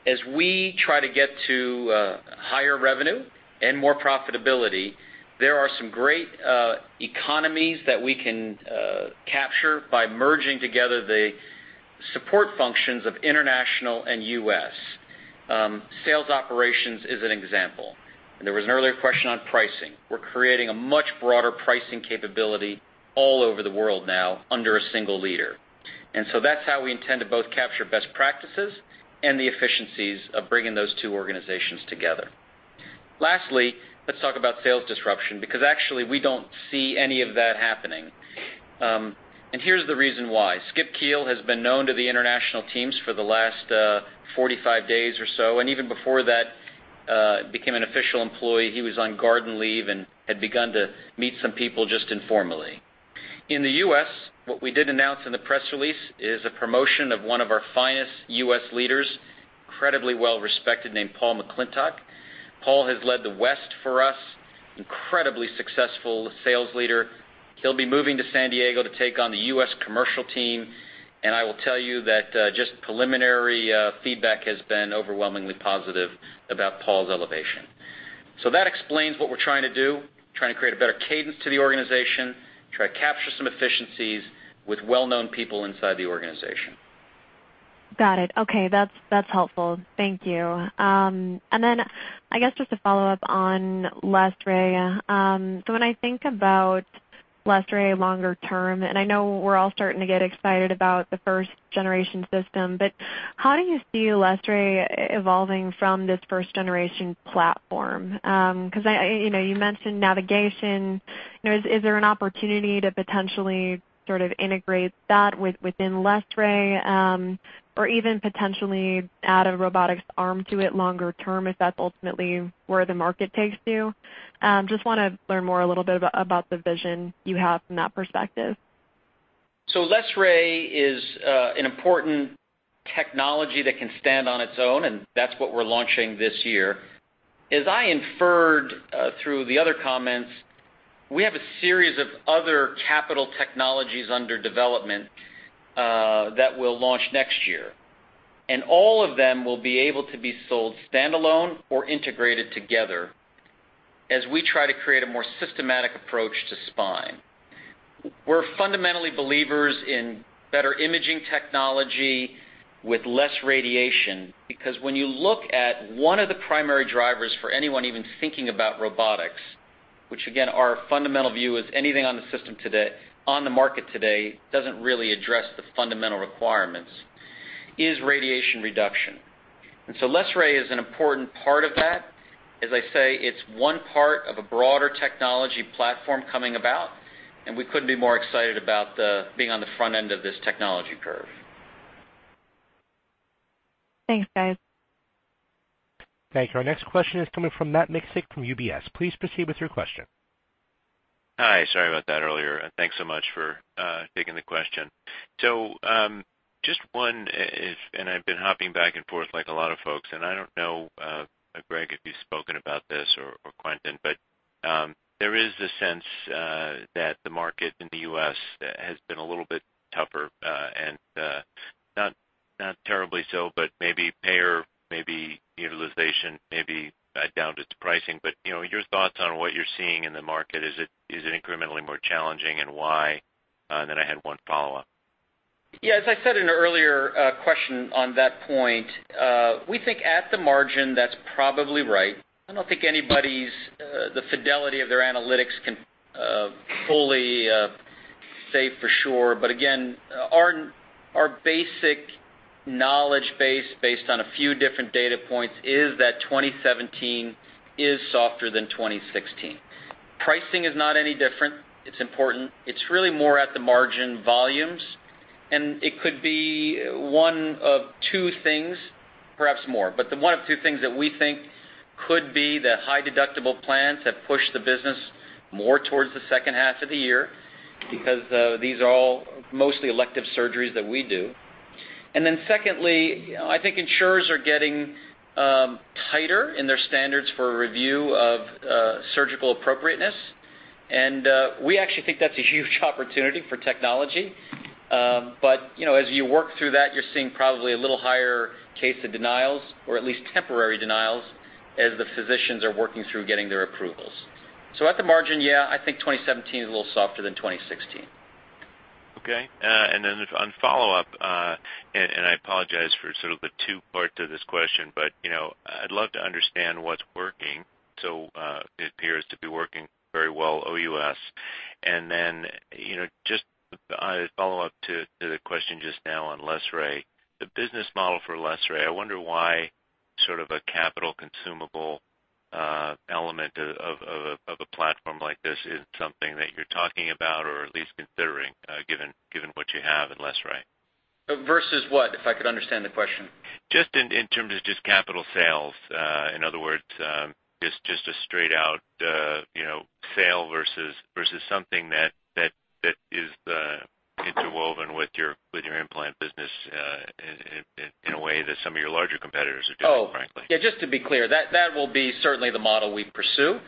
as we try to get to higher revenue and more profitability, there are some great economies that we can capture by merging together the support functions of international and US. Sales operations is an example. There was an earlier question on pricing. We are creating a much broader pricing capability all over the world now under a single leader. That is how we intend to both capture best practices and the efficiencies of bringing those two organizations together. Lastly, let's talk about sales disruption because actually we do not see any of that happening. Here is the reason why. Skip Kiil has been known to the international teams for the last 45 days or so. Even before that, became an official employee. He was on garden leave and had begun to meet some people just informally. In the U.S., what we did announce in the press release is a promotion of one of our finest U.S. leaders, incredibly well-respected, named Paul McClintock. Paul has led the West for us, incredibly successful sales leader. He'll be moving to San Diego to take on the U.S. commercial team. I will tell you that just preliminary feedback has been overwhelmingly positive about Paul's elevation. That explains what we're trying to do, trying to create a better cadence to the organization, try to capture some efficiencies with well-known people inside the organization. Got it. Okay. That's helpful. Thank you. Then I guess just to follow up on LessRay, when I think about LessRay longer term, and I know we're all starting to get excited about the first-generation system, how do you see LessRay evolving from this first-generation platform? Because you mentioned navigation. Is there an opportunity to potentially sort of integrate that within LessRay or even potentially add a robotics arm to it longer term if that's ultimately where the market takes you? Just want to learn more a little bit about the vision you have from that perspective. LessRay is an important technology that can stand on its own, and that's what we're launching this year. As I inferred through the other comments, we have a series of other capital technologies under development that we'll launch next year. All of them will be able to be sold standalone or integrated together as we try to create a more systematic approach to spine. We're fundamentally believers in better imaging technology with less radiation because when you look at one of the primary drivers for anyone even thinking about robotics, which again, our fundamental view is anything on the system today, on the market today, doesn't really address the fundamental requirements, is radiation reduction. LessRay is an important part of that. As I say, it's one part of a broader technology platform coming about, and we couldn't be more excited about being on the front end of this technology curve. Thanks, guys. Thank you. Our next question is coming from Matt Miksic from UBS. Please proceed with your question. Hi. Sorry about that earlier. Thanks so much for taking the question. Just one, and I've been hopping back and forth like a lot of folks. I don't know, Greg, if you've spoken about this or Quentin, but there is a sense that the market in the U.S. has been a little bit tougher and not terribly so, but maybe payer, maybe utilization, maybe down to pricing. Your thoughts on what you're seeing in the market? Is it incrementally more challenging and why? I had one follow-up. Yeah. As I said in an earlier question on that point, we think at the margin that's probably right. I don't think anybody's fidelity of their analytics can fully say for sure. Again, our basic knowledge base based on a few different data points is that 2017 is softer than 2016. Pricing is not any different. It's important. It's really more at the margin volumes. It could be one of two things, perhaps more. The one of two things that we think could be the high deductible plans have pushed the business more towards the second half of the year because these are all mostly elective surgeries that we do. Secondly, I think insurers are getting tighter in their standards for review of surgical appropriateness. We actually think that's a huge opportunity for technology. As you work through that, you're seeing probably a little higher case of denials or at least temporary denials as the physicians are working through getting their approvals. At the margin, yeah, I think 2017 is a little softer than 2016. Okay. And then on follow-up, and I apologize for sort of the two parts of this question, but I'd love to understand what's working. It appears to be working very well OUS. And then just a follow-up to the question just now on LessRay, the business model for LessRay, I wonder why sort of a capital consumable element of a platform like this isn't something that you're talking about or at least considering given what you have in LessRay. Versus what? If I could understand the question. Just in terms of just capital sales. In other words, just a straight-out sale versus something that is interwoven with your implant business in a way that some of your larger competitors are doing, frankly. Oh, yeah. Just to be clear, that will be certainly the model we pursue.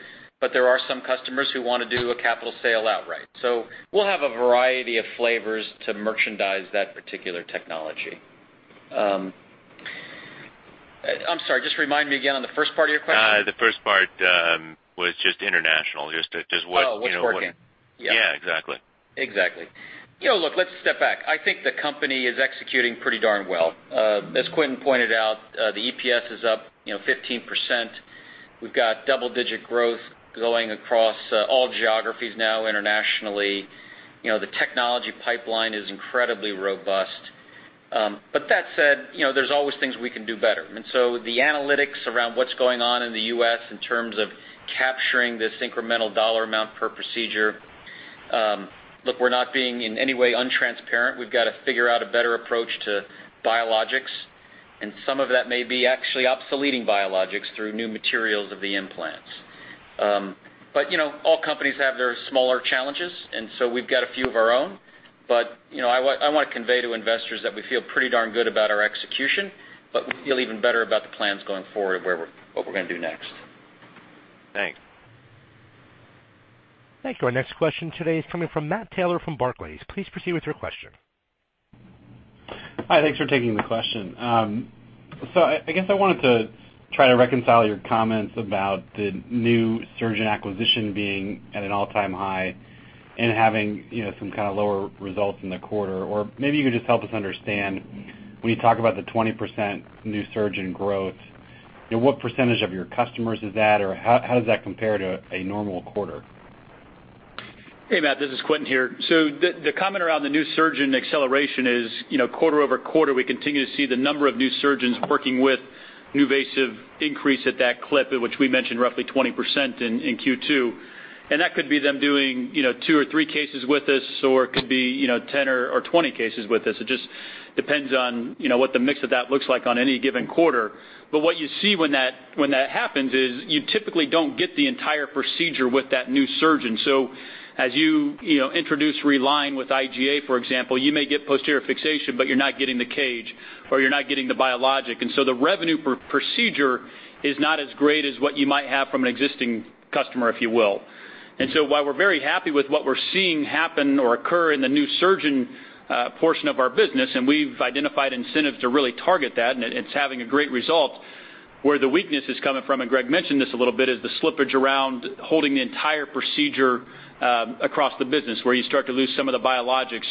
There are some customers who want to do a capital sale outright. We will have a variety of flavors to merchandise that particular technology. I'm sorry. Just remind me again on the first part of your question. The first part was just international. Just what. Oh, what's working. Yeah. Exactly. Exactly. Look, let's step back. I think the company is executing pretty darn well. As Quentin pointed out, the EPS is up 15%. We've got double-digit growth going across all geographies now internationally. The technology pipeline is incredibly robust. That said, there's always things we can do better. The analytics around what's going on in the US in terms of capturing this incremental dollar amount per procedure, look, we're not being in any way untransparent. We've got to figure out a better approach to biologics. Some of that may be actually obsoleting biologics through new materials of the implants. All companies have their smaller challenges. We've got a few of our own. I want to convey to investors that we feel pretty darn good about our execution, but we feel even better about the plans going forward of what we're going to do next. Thanks. Thanks. Our next question today is coming from Matt Taylor from Barclays. Please proceed with your question. Hi. Thanks for taking the question. I guess I wanted to try to reconcile your comments about the new surge in acquisition being at an all-time high and having some kind of lower results in the quarter. Maybe you could just help us understand when you talk about the 20% new surge in growth, what percentage of your customers is that, or how does that compare to a normal quarter? Hey, Matt. This is Quentin here. The comment around the new surge in acceleration is quarter over quarter, we continue to see the number of new surgeons working with NuVasive increase at that clip, which we mentioned roughly 20% in Q2. That could be them doing two or three cases with us, or it could be 10 or 20 cases with us. It just depends on what the mix of that looks like on any given quarter. What you see when that happens is you typically do not get the entire procedure with that new surgeon. As you introduce RELINE with IGA, for example, you may get posterior fixation, but you are not getting the cage or you are not getting the biologic. The revenue per procedure is not as great as what you might have from an existing customer, if you will. While we're very happy with what we're seeing happen or occur in the new surgeon portion of our business, and we've identified incentives to really target that, and it's having a great result, where the weakness is coming from, and Greg mentioned this a little bit, is the slippage around holding the entire procedure across the business where you start to lose some of the biologics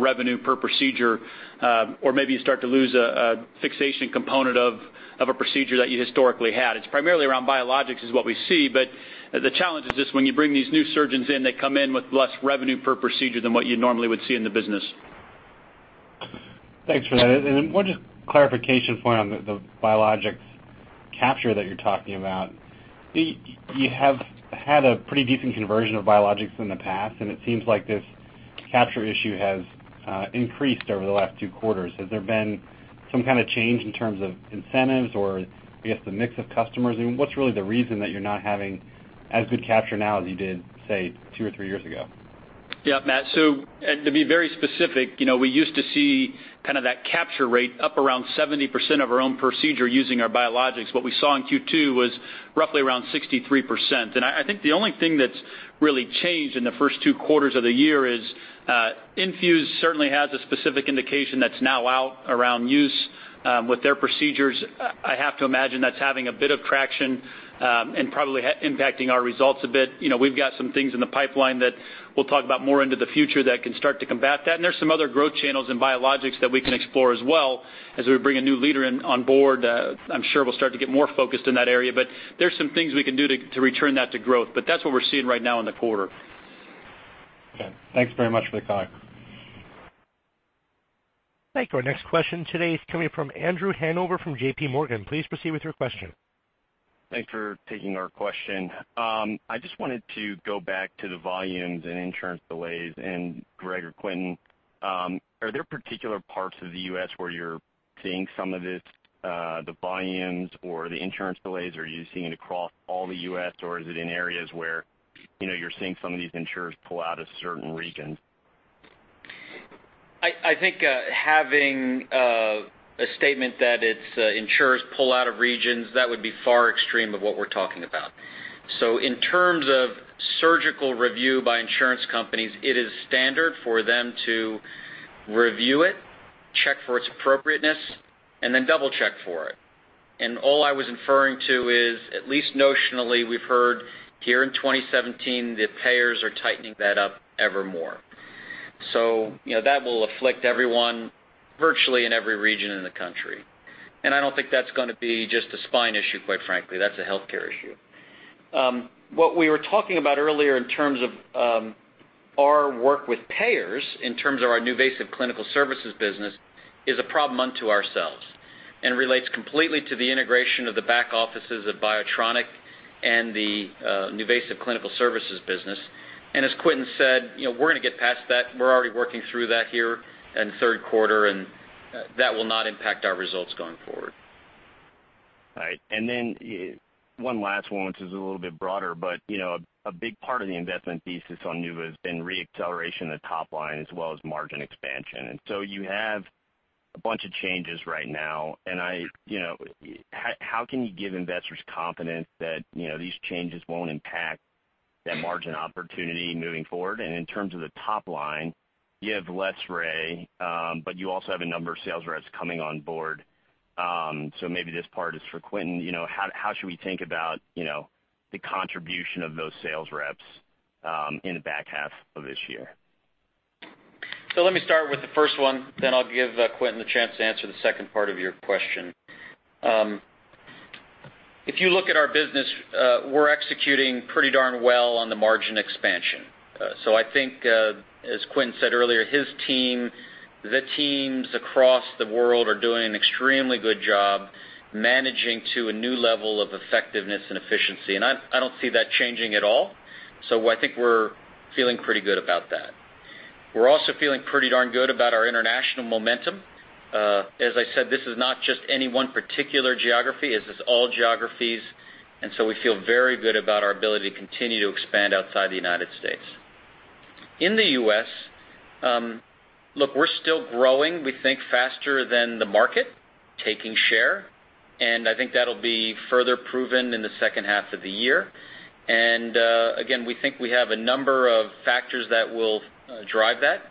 revenue per procedure, or maybe you start to lose a fixation component of a procedure that you historically had. It's primarily around biologics is what we see. The challenge is just when you bring these new surgeons in, they come in with less revenue per procedure than what you normally would see in the business. Thanks for that. One just clarification point on the biologics capture that you're talking about. You have had a pretty decent conversion of biologics in the past, and it seems like this capture issue has increased over the last two quarters. Has there been some kind of change in terms of incentives or, I guess, the mix of customers? What's really the reason that you're not having as good capture now as you did, say, two or three years ago? Yeah, Matt. To be very specific, we used to see kind of that capture rate up around 70% of our own procedure using our biologics. What we saw in Q2 was roughly around 63%. I think the only thing that's really changed in the first two quarters of the year is Infuse certainly has a specific indication that's now out around use with their procedures. I have to imagine that's having a bit of traction and probably impacting our results a bit. We've got some things in the pipeline that we'll talk about more into the future that can start to combat that. There's some other growth channels in biologics that we can explore as well as we bring a new leader on board. I'm sure we'll start to get more focused in that area. There's some things we can do to return that to growth. That's what we're seeing right now in the quarter. Okay. Thanks very much for the comment. Thank you. Our next question today is coming from Andrew Hanover from JP Morgan. Please proceed with your question. Thanks for taking our question. I just wanted to go back to the volumes and insurance delays. Greg or Quentin, are there particular parts of the U.S. where you're seeing some of the volumes or the insurance delays? Are you seeing it across all the U.S., or is it in areas where you're seeing some of these insurers pull out of certain regions? I think having a statement that it's insurers pull out of regions, that would be far extreme of what we're talking about. In terms of surgical review by insurance companies, it is standard for them to review it, check for its appropriateness, and then double-check for it. All I was inferring to is at least notionally, we've heard here in 2017, the payers are tightening that up evermore. That will afflict everyone virtually in every region in the country. I don't think that's going to be just a spine issue, quite frankly. That's a healthcare issue. What we were talking about earlier in terms of our work with payers in terms of our NuVasive Clinical Services business is a problem unto ourselves and relates completely to the integration of the back offices of Biotronik and the NuVasive Clinical Services business. As Quentin said, we're going to get past that. We're already working through that here in third quarter, and that will not impact our results going forward. All right. And then one last one, which is a little bit broader, but a big part of the investment thesis on NuVasive has been re-acceleration of the top line as well as margin expansion. You have a bunch of changes right now. How can you give investors confidence that these changes won't impact that margin opportunity moving forward? In terms of the top line, you have LessRay, but you also have a number of sales reps coming on board. Maybe this part is for Quentin. How should we think about the contribution of those sales reps in the back half of this year? Let me start with the first one, then I'll give Quentin the chance to answer the second part of your question. If you look at our business, we're executing pretty darn well on the margin expansion. I think, as Quentin said earlier, his team, the teams across the world are doing an extremely good job managing to a new level of effectiveness and efficiency. I don't see that changing at all. I think we're feeling pretty good about that. We're also feeling pretty darn good about our international momentum. As I said, this is not just any one particular geography. This is all geographies. We feel very good about our ability to continue to expand outside the United States. In the U.S., look, we're still growing. We think faster than the market, taking share. I think that'll be further proven in the second half of the year. Again, we think we have a number of factors that will drive that.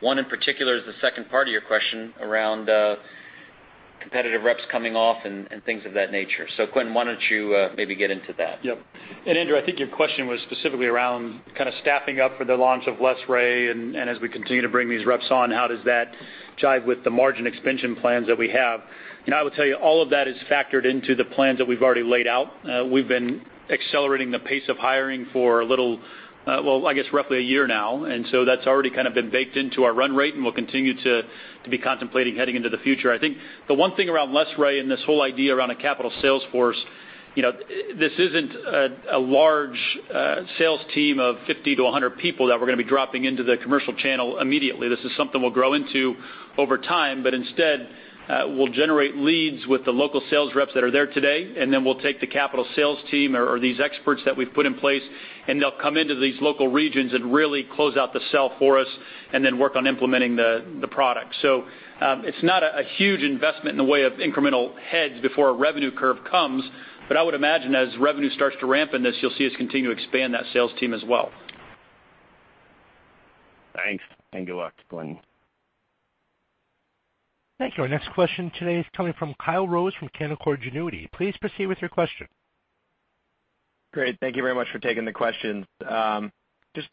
One in particular is the second part of your question around competitive reps coming off and things of that nature. Quentin, why don't you maybe get into that? Yep. Andrew, I think your question was specifically around kind of staffing up for the launch of LessRay. As we continue to bring these reps on, how does that jive with the margin expansion plans that we have? I will tell you, all of that is factored into the plans that we've already laid out. We've been accelerating the pace of hiring for a little, well, I guess roughly a year now. That's already kind of been baked into our run rate, and we'll continue to be contemplating heading into the future. I think the one thing around LessRay and this whole idea around a capital sales force, this isn't a large sales team of 50-100 people that we're going to be dropping into the commercial channel immediately. This is something we'll grow into over time. Instead, we'll generate leads with the local sales reps that are there today, and then we'll take the capital sales team or these experts that we've put in place, and they'll come into these local regions and really close out the sell for us and then work on implementing the product. It is not a huge investment in the way of incremental heads before a revenue curve comes. I would imagine as revenue starts to ramp in this, you'll see us continue to expand that sales team as well. Thanks. And good luck, Quentin. Thank you. Our next question today is coming from Kyle Rose from Canaccord Genuity. Please proceed with your question. Great. Thank you very much for taking the question. Just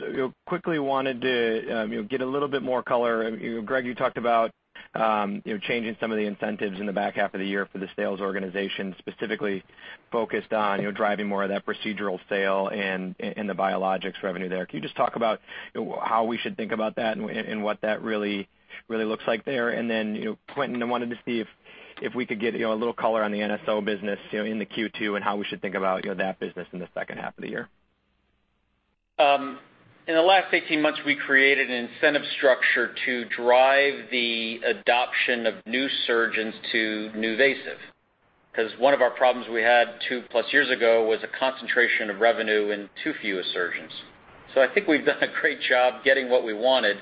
quickly wanted to get a little bit more color. Greg, you talked about changing some of the incentives in the back half of the year for the sales organization, specifically focused on driving more of that procedural sale and the biologics revenue there. Can you just talk about how we should think about that and what that really looks like there? Quentin, I wanted to see if we could get a little color on the NSO business in the Q2 and how we should think about that business in the second half of the year. In the last 18 months, we created an incentive structure to drive the adoption of new surgeons to NuVasive because one of our problems we had two-plus years ago was a concentration of revenue in too few of surgeons. I think we've done a great job getting what we wanted.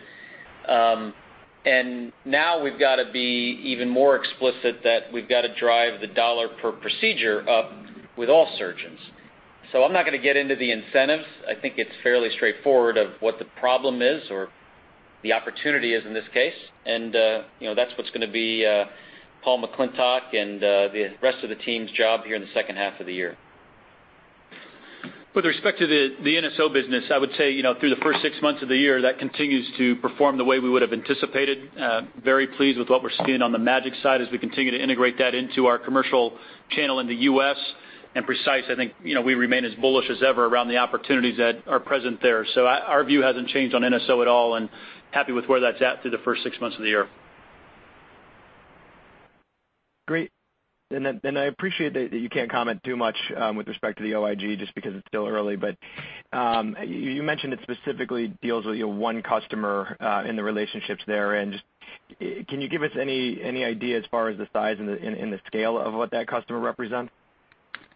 Now we've got to be even more explicit that we've got to drive the dollar per procedure up with all surgeons. I'm not going to get into the incentives. I think it's fairly straightforward of what the problem is or the opportunity is in this case. That's what's going to be Paul McClintock and the rest of the team's job here in the second half of the year. With respect to the NSO business, I would say through the first six months of the year, that continues to perform the way we would have anticipated. Very pleased with what we're seeing on the Magic side as we continue to integrate that into our commercial channel in the U.S. And Precice, I think we remain as bullish as ever around the opportunities that are present there. Our view has not changed on NSO at all and happy with where that's at through the first six months of the year. Great. I appreciate that you can't comment too much with respect to the OIG just because it's still early. You mentioned it specifically deals with one customer in the relationships there. Can you give us any idea as far as the size and the scale of what that customer represents?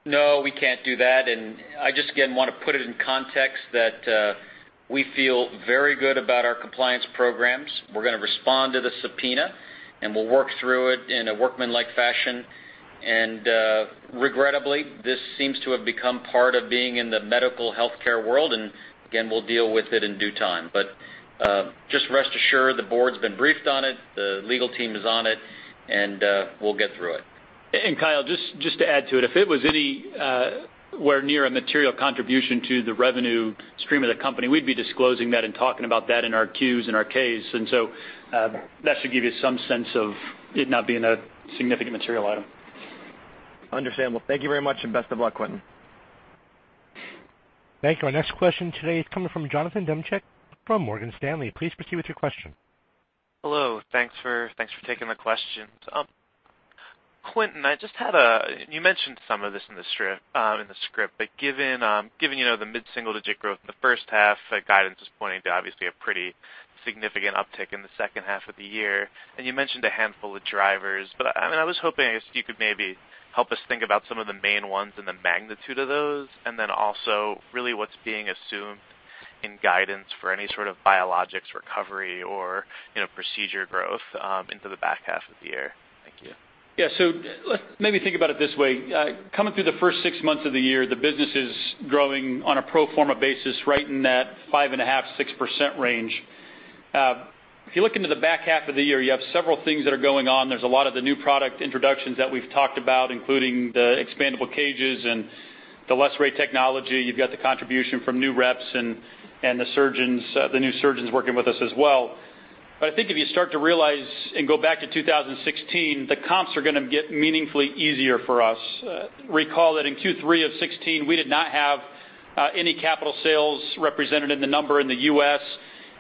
No, we can't do that. I just, again, want to put it in context that we feel very good about our compliance programs. We're going to respond to the subpoena, and we'll work through it in a workman-like fashion. Regrettably, this seems to have become part of being in the medical healthcare world. Again, we'll deal with it in due time. Just rest assured, the board's been briefed on it. The legal team is on it, and we'll get through it. Kyle, just to add to it, if it was anywhere near a material contribution to the revenue stream of the company, we'd be disclosing that and talking about that in our Qs and our Ks. That should give you some sense of it not being a significant material item. Understandable. Thank you very much, and best of luck, Quentin. Thank you. Our next question today is coming from Jonathan Demchick from Morgan Stanley. Please proceed with your question. Hello. Thanks for taking the question. Quentin, I just had a—you mentioned some of this in the script, but given the mid-single digit growth in the first half, guidance is pointing to obviously a pretty significant uptick in the second half of the year. You mentioned a handful of drivers. I mean, I was hoping you could maybe help us think about some of the main ones and the magnitude of those, and then also really what's being assumed in guidance for any sort of biologics recovery or procedure growth into the back half of the year. Thank you. Yeah. So let's maybe think about it this way. Coming through the first six months of the year, the business is growing on a pro forma basis, right in that 5.5%-6% range. If you look into the back half of the year, you have several things that are going on. There's a lot of the new product introductions that we've talked about, including the expandable cages and the LessRay technology. You've got the contribution from new reps and the new surgeons working with us as well. I think if you start to realize and go back to 2016, the comps are going to get meaningfully easier for us. Recall that in Q3 of 2016, we did not have any capital sales represented in the number in the US,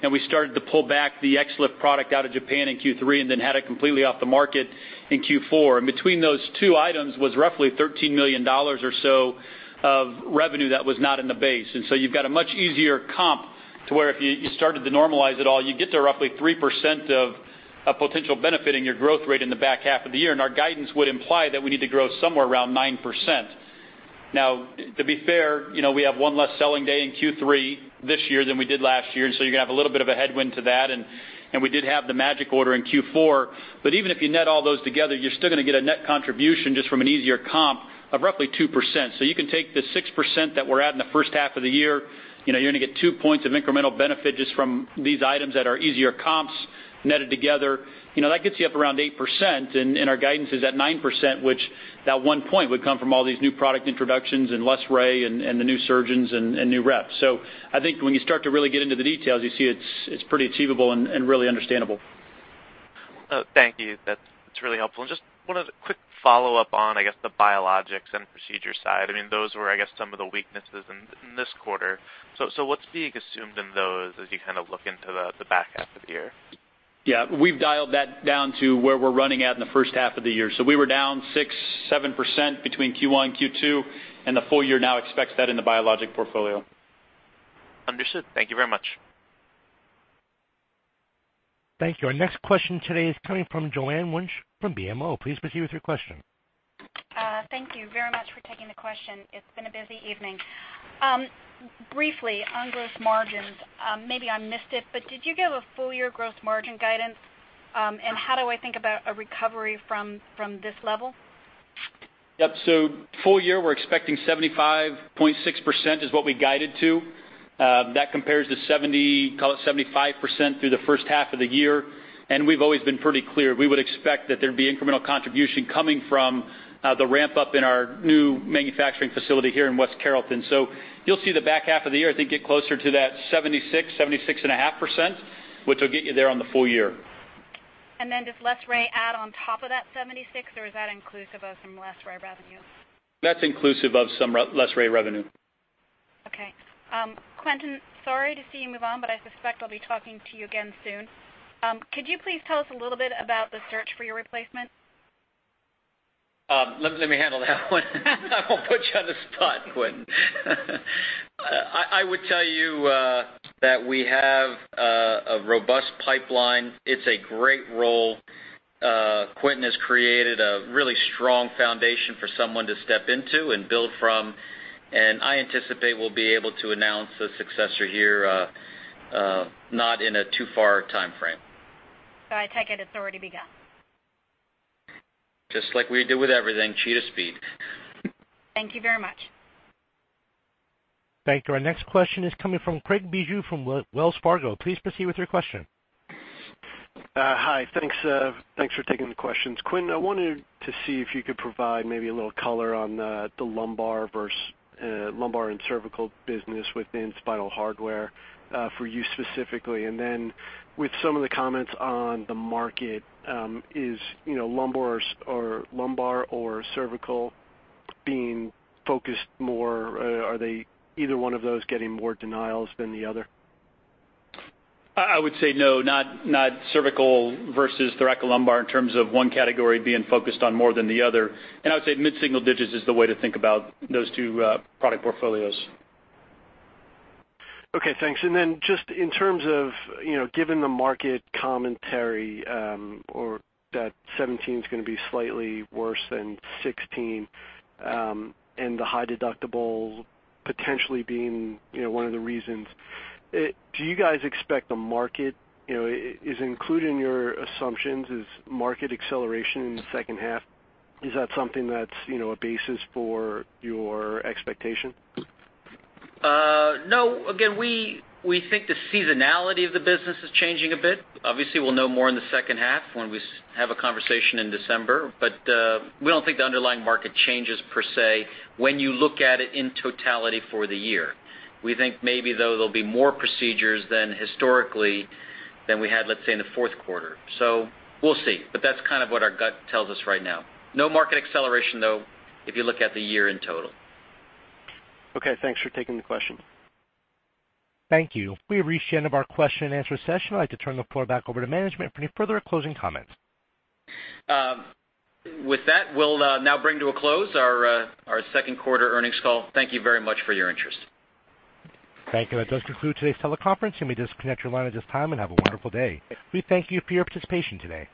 and we started to pull back the XLIF product out of Japan in Q3 and then had it completely off the market in Q4. Between those two items was roughly $13 million or so of revenue that was not in the base. You have a much easier comp to where if you started to normalize it all, you get to roughly 3% of a potential benefit in your growth rate in the back half of the year. Our guidance would imply that we need to grow somewhere around 9%. Now, to be fair, we have one less selling day in Q3 this year than we did last year. You are going to have a little bit of a headwind to that. We did have the Magic order in Q4. Even if you net all those together, you're still going to get a net contribution just from an easier comp of roughly 2%. You can take the 6% that we're at in the first half of the year. You're going to get 2 points of incremental benefit just from these items that are easier comps netted together. That gets you up around 8%. Our guidance is at 9%, which that 1 point would come from all these new product introductions and LessRay and the new surgeons and new reps. I think when you start to really get into the details, you see it's pretty achievable and really understandable. Thank you. That's really helpful. I just wanted a quick follow-up on, I guess, the biologics and procedure side. I mean, those were, I guess, some of the weaknesses in this quarter. What's being assumed in those as you kind of look into the back half of the year? Yeah. We've dialed that down to where we're running at in the first half of the year. So we were down 6-7% between Q1 and Q2, and the full year now expects that in the biologic portfolio. Understood. Thank you very much. Thank you. Our next question today is coming from Joanne Wuensch from BMO. Please proceed with your question. Thank you very much for taking the question. It's been a busy evening. Briefly, on gross margins, maybe I missed it, but did you give a full-year gross margin guidance, and how do I think about a recovery from this level? Yep. Full year, we're expecting 75.6% is what we guided to. That compares to, call it, 75% through the first half of the year. We've always been pretty clear. We would expect that there'd be incremental contribution coming from the ramp-up in our new manufacturing facility here in West Carrollton. You'll see the back half of the year, I think, get closer to that 76-76.5%, which will get you there on the full year. Does LessRay add on top of that 76, or is that inclusive of some LessRay revenue? That's inclusive of some LessRay revenue. Okay. Quentin, sorry to see you move on, but I suspect I'll be talking to you again soon. Could you please tell us a little bit about the search for your replacement? Let me handle that one. I won't put you on the spot, Quentin. I would tell you that we have a robust pipeline. It's a great role. Quentin has created a really strong foundation for someone to step into and build from. I anticipate we'll be able to announce a successor here, not in a too far time frame. I take it it's already begun. Just like we do with everything, cheetah speed. Thank you very much. Thank you. Our next question is coming from Craig Bijou from Wells Fargo. Please proceed with your question. Hi. Thanks for taking the questions. Quentin, I wanted to see if you could provide maybe a little color on the lumbar and cervical business within spinal hardware for you specifically. And then with some of the comments on the market, is lumbar or cervical being focused more? Are either one of those getting more denials than the other? I would say no, not cervical versus thoracolumbar in terms of one category being focused on more than the other. I would say mid-single digits is the way to think about those two product portfolios. Okay. Thanks. And then just in terms of given the market commentary or that 2017 is going to be slightly worse than 2016 and the high deductible potentially being one of the reasons, do you guys expect the market is included in your assumptions is market acceleration in the second half? Is that something that's a basis for your expectation? No. Again, we think the seasonality of the business is changing a bit. Obviously, we'll know more in the second half when we have a conversation in December. We don't think the underlying market changes per se when you look at it in totality for the year. We think maybe, though, there'll be more procedures than historically than we had, let's say, in the fourth quarter. We'll see. That's kind of what our gut tells us right now. No market acceleration, though, if you look at the year in total. Okay. Thanks for taking the question. Thank you. We have reached the end of our question and answer session. I'd like to turn the floor back over to management for any further closing comments. With that, we'll now bring to a close our second quarter earnings call. Thank you very much for your interest. Thank you. That does conclude today's teleconference. You may disconnect your line at this time and have a wonderful day. We thank you for your participation today.